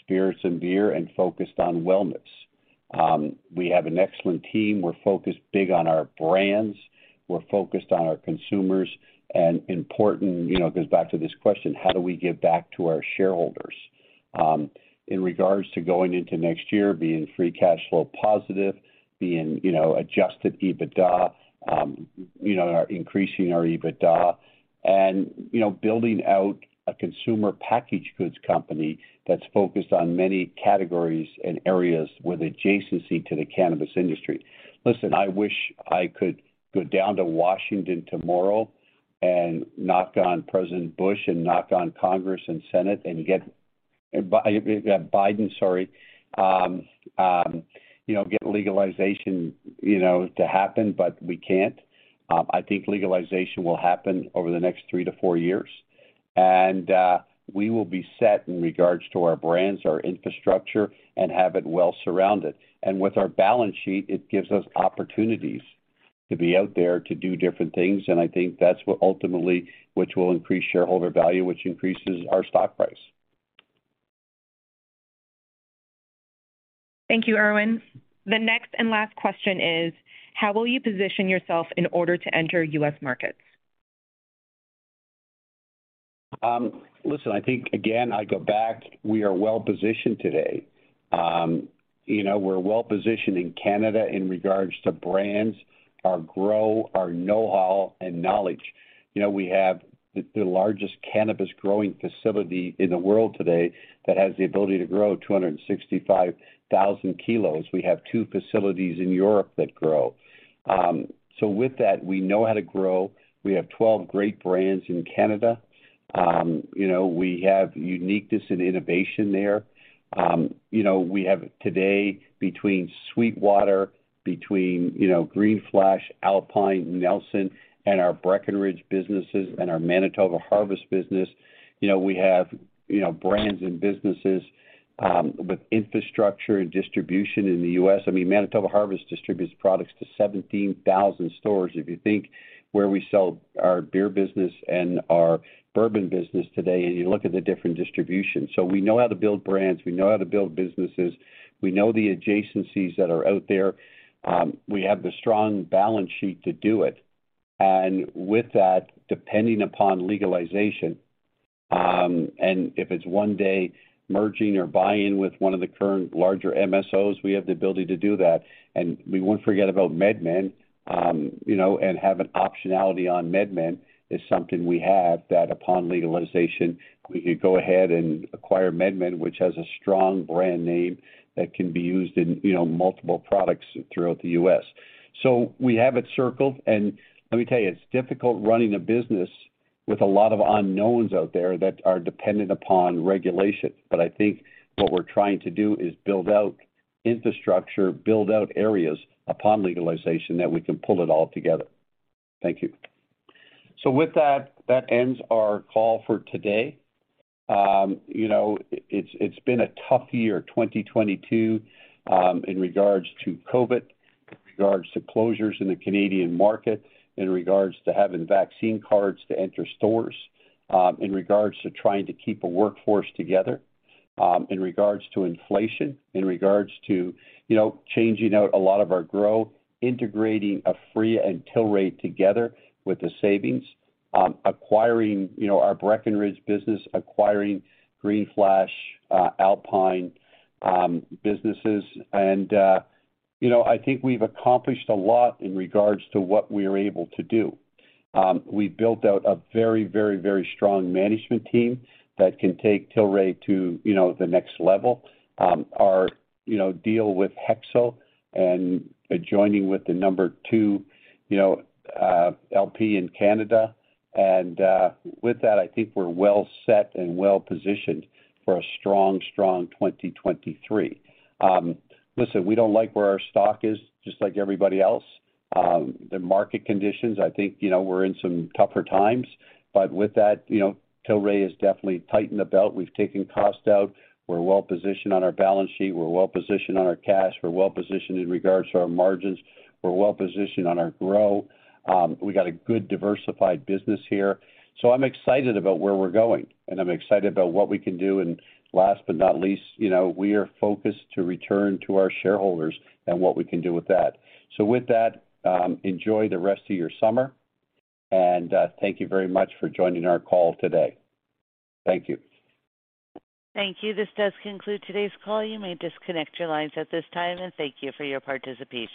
C: spirits and beer, and focused on wellness. We have an excellent team. We're focused big on our brands. We're focused on our consumers. Important, you know, it goes back to this question, how do we give back to our shareholders? In regards to going into next year, being free cash flow positive, being, you know, adjusted EBITDA, you know, increasing our EBITDA and, you know, building out a consumer packaged goods company that's focused on many categories and areas with adjacency to the cannabis industry. Listen, I wish I could go down to Washington tomorrow and knock on President Biden and knock on Congress and Senate and get legalization, you know, to happen, but we can't. I think legalization will happen over the next three to four years. We will be set in regards to our brands, our infrastructure, and have it well surrounded. With our balance sheet, it gives us opportunities to be out there to do different things. I think that's what ultimately, which will increase shareholder value, which increases our stock price.
B: Thank you, Irwin. The next and last question is, how will you position yourself in order to enter U.S. markets?
C: Listen, I think again, I go back, we are well-positioned today. You know, we're well-positioned in Canada in regards to brands, our grow, our know-how and knowledge. You know, we have the largest cannabis growing facility in the world today that has the ability to grow 265,000 kilos. We have two facilities in Europe that grow. So with that, we know how to grow. We have 12 great brands in Canada. You know, we have uniqueness and innovation there. You know, we have today between SweetWater, you know, Green Flash, Alpine, Nelson, and our Breckenridge businesses and our Manitoba Harvest business, you know, we have, you know, brands and businesses, with infrastructure and distribution in the U.S. I mean, Manitoba Harvest distributes products to 17,000 stores. If you think where we sell our beer business and our bourbon business today, and you look at the different distributions. We know how to build brands, we know how to build businesses, we know the adjacencies that are out there. We have the strong balance sheet to do it. With that, depending upon legalization, and if it's one day merging or buy-in with one of the current larger MSOs, we have the ability to do that. We won't forget about MedMen, you know, and have an optionality on MedMen is something we have that upon legalization, we could go ahead and acquire MedMen, which has a strong brand name that can be used in, you know, multiple products throughout the U.S. We have it circled, and let me tell you, it's difficult running a business with a lot of unknowns out there that are dependent upon regulation. But I think what we're trying to do is build out infrastructure, build out areas upon legalization that we can pull it all together. Thank you. With that ends our call for today. You know, it's been a tough year, 2022, in regards to COVID, in regards to closures in the Canadian market, in regards to having vaccine cards to enter stores, in regards to trying to keep a workforce together, in regards to inflation, in regards to, you know, changing out a lot of our grow, integrating Aphria and Tilray together with the savings, acquiring, you know, our Breckenridge business, acquiring Green Flash, Alpine businesses. You know, I think we've accomplished a lot in regards to what we're able to do. We built out a very strong management team that can take Tilray to, you know, the next level. Our, you know, deal with HEXO and adjoining with the number two, you know, LP in Canada. With that, I think we're well set and well-positioned for a strong 2023. Listen, we don't like where our stock is, just like everybody else. The market conditions, I think, you know, we're in some tougher times, but with that, you know, Tilray has definitely tightened the belt. We've taken cost out. We're well-positioned on our balance sheet. We're well-positioned on our cash. We're well-positioned in regards to our margins. We're well-positioned on our grow. We got a good diversified business here, so I'm excited about where we're going, and I'm excited about what we can do. Last but not least, you know, we are focused to return to our shareholders and what we can do with that. With that, enjoy the rest of your summer, and thank you very much for joining our call today. Thank you.
A: Thank you. This does conclude today's call. You may disconnect your lines at this time, and thank you for your participation.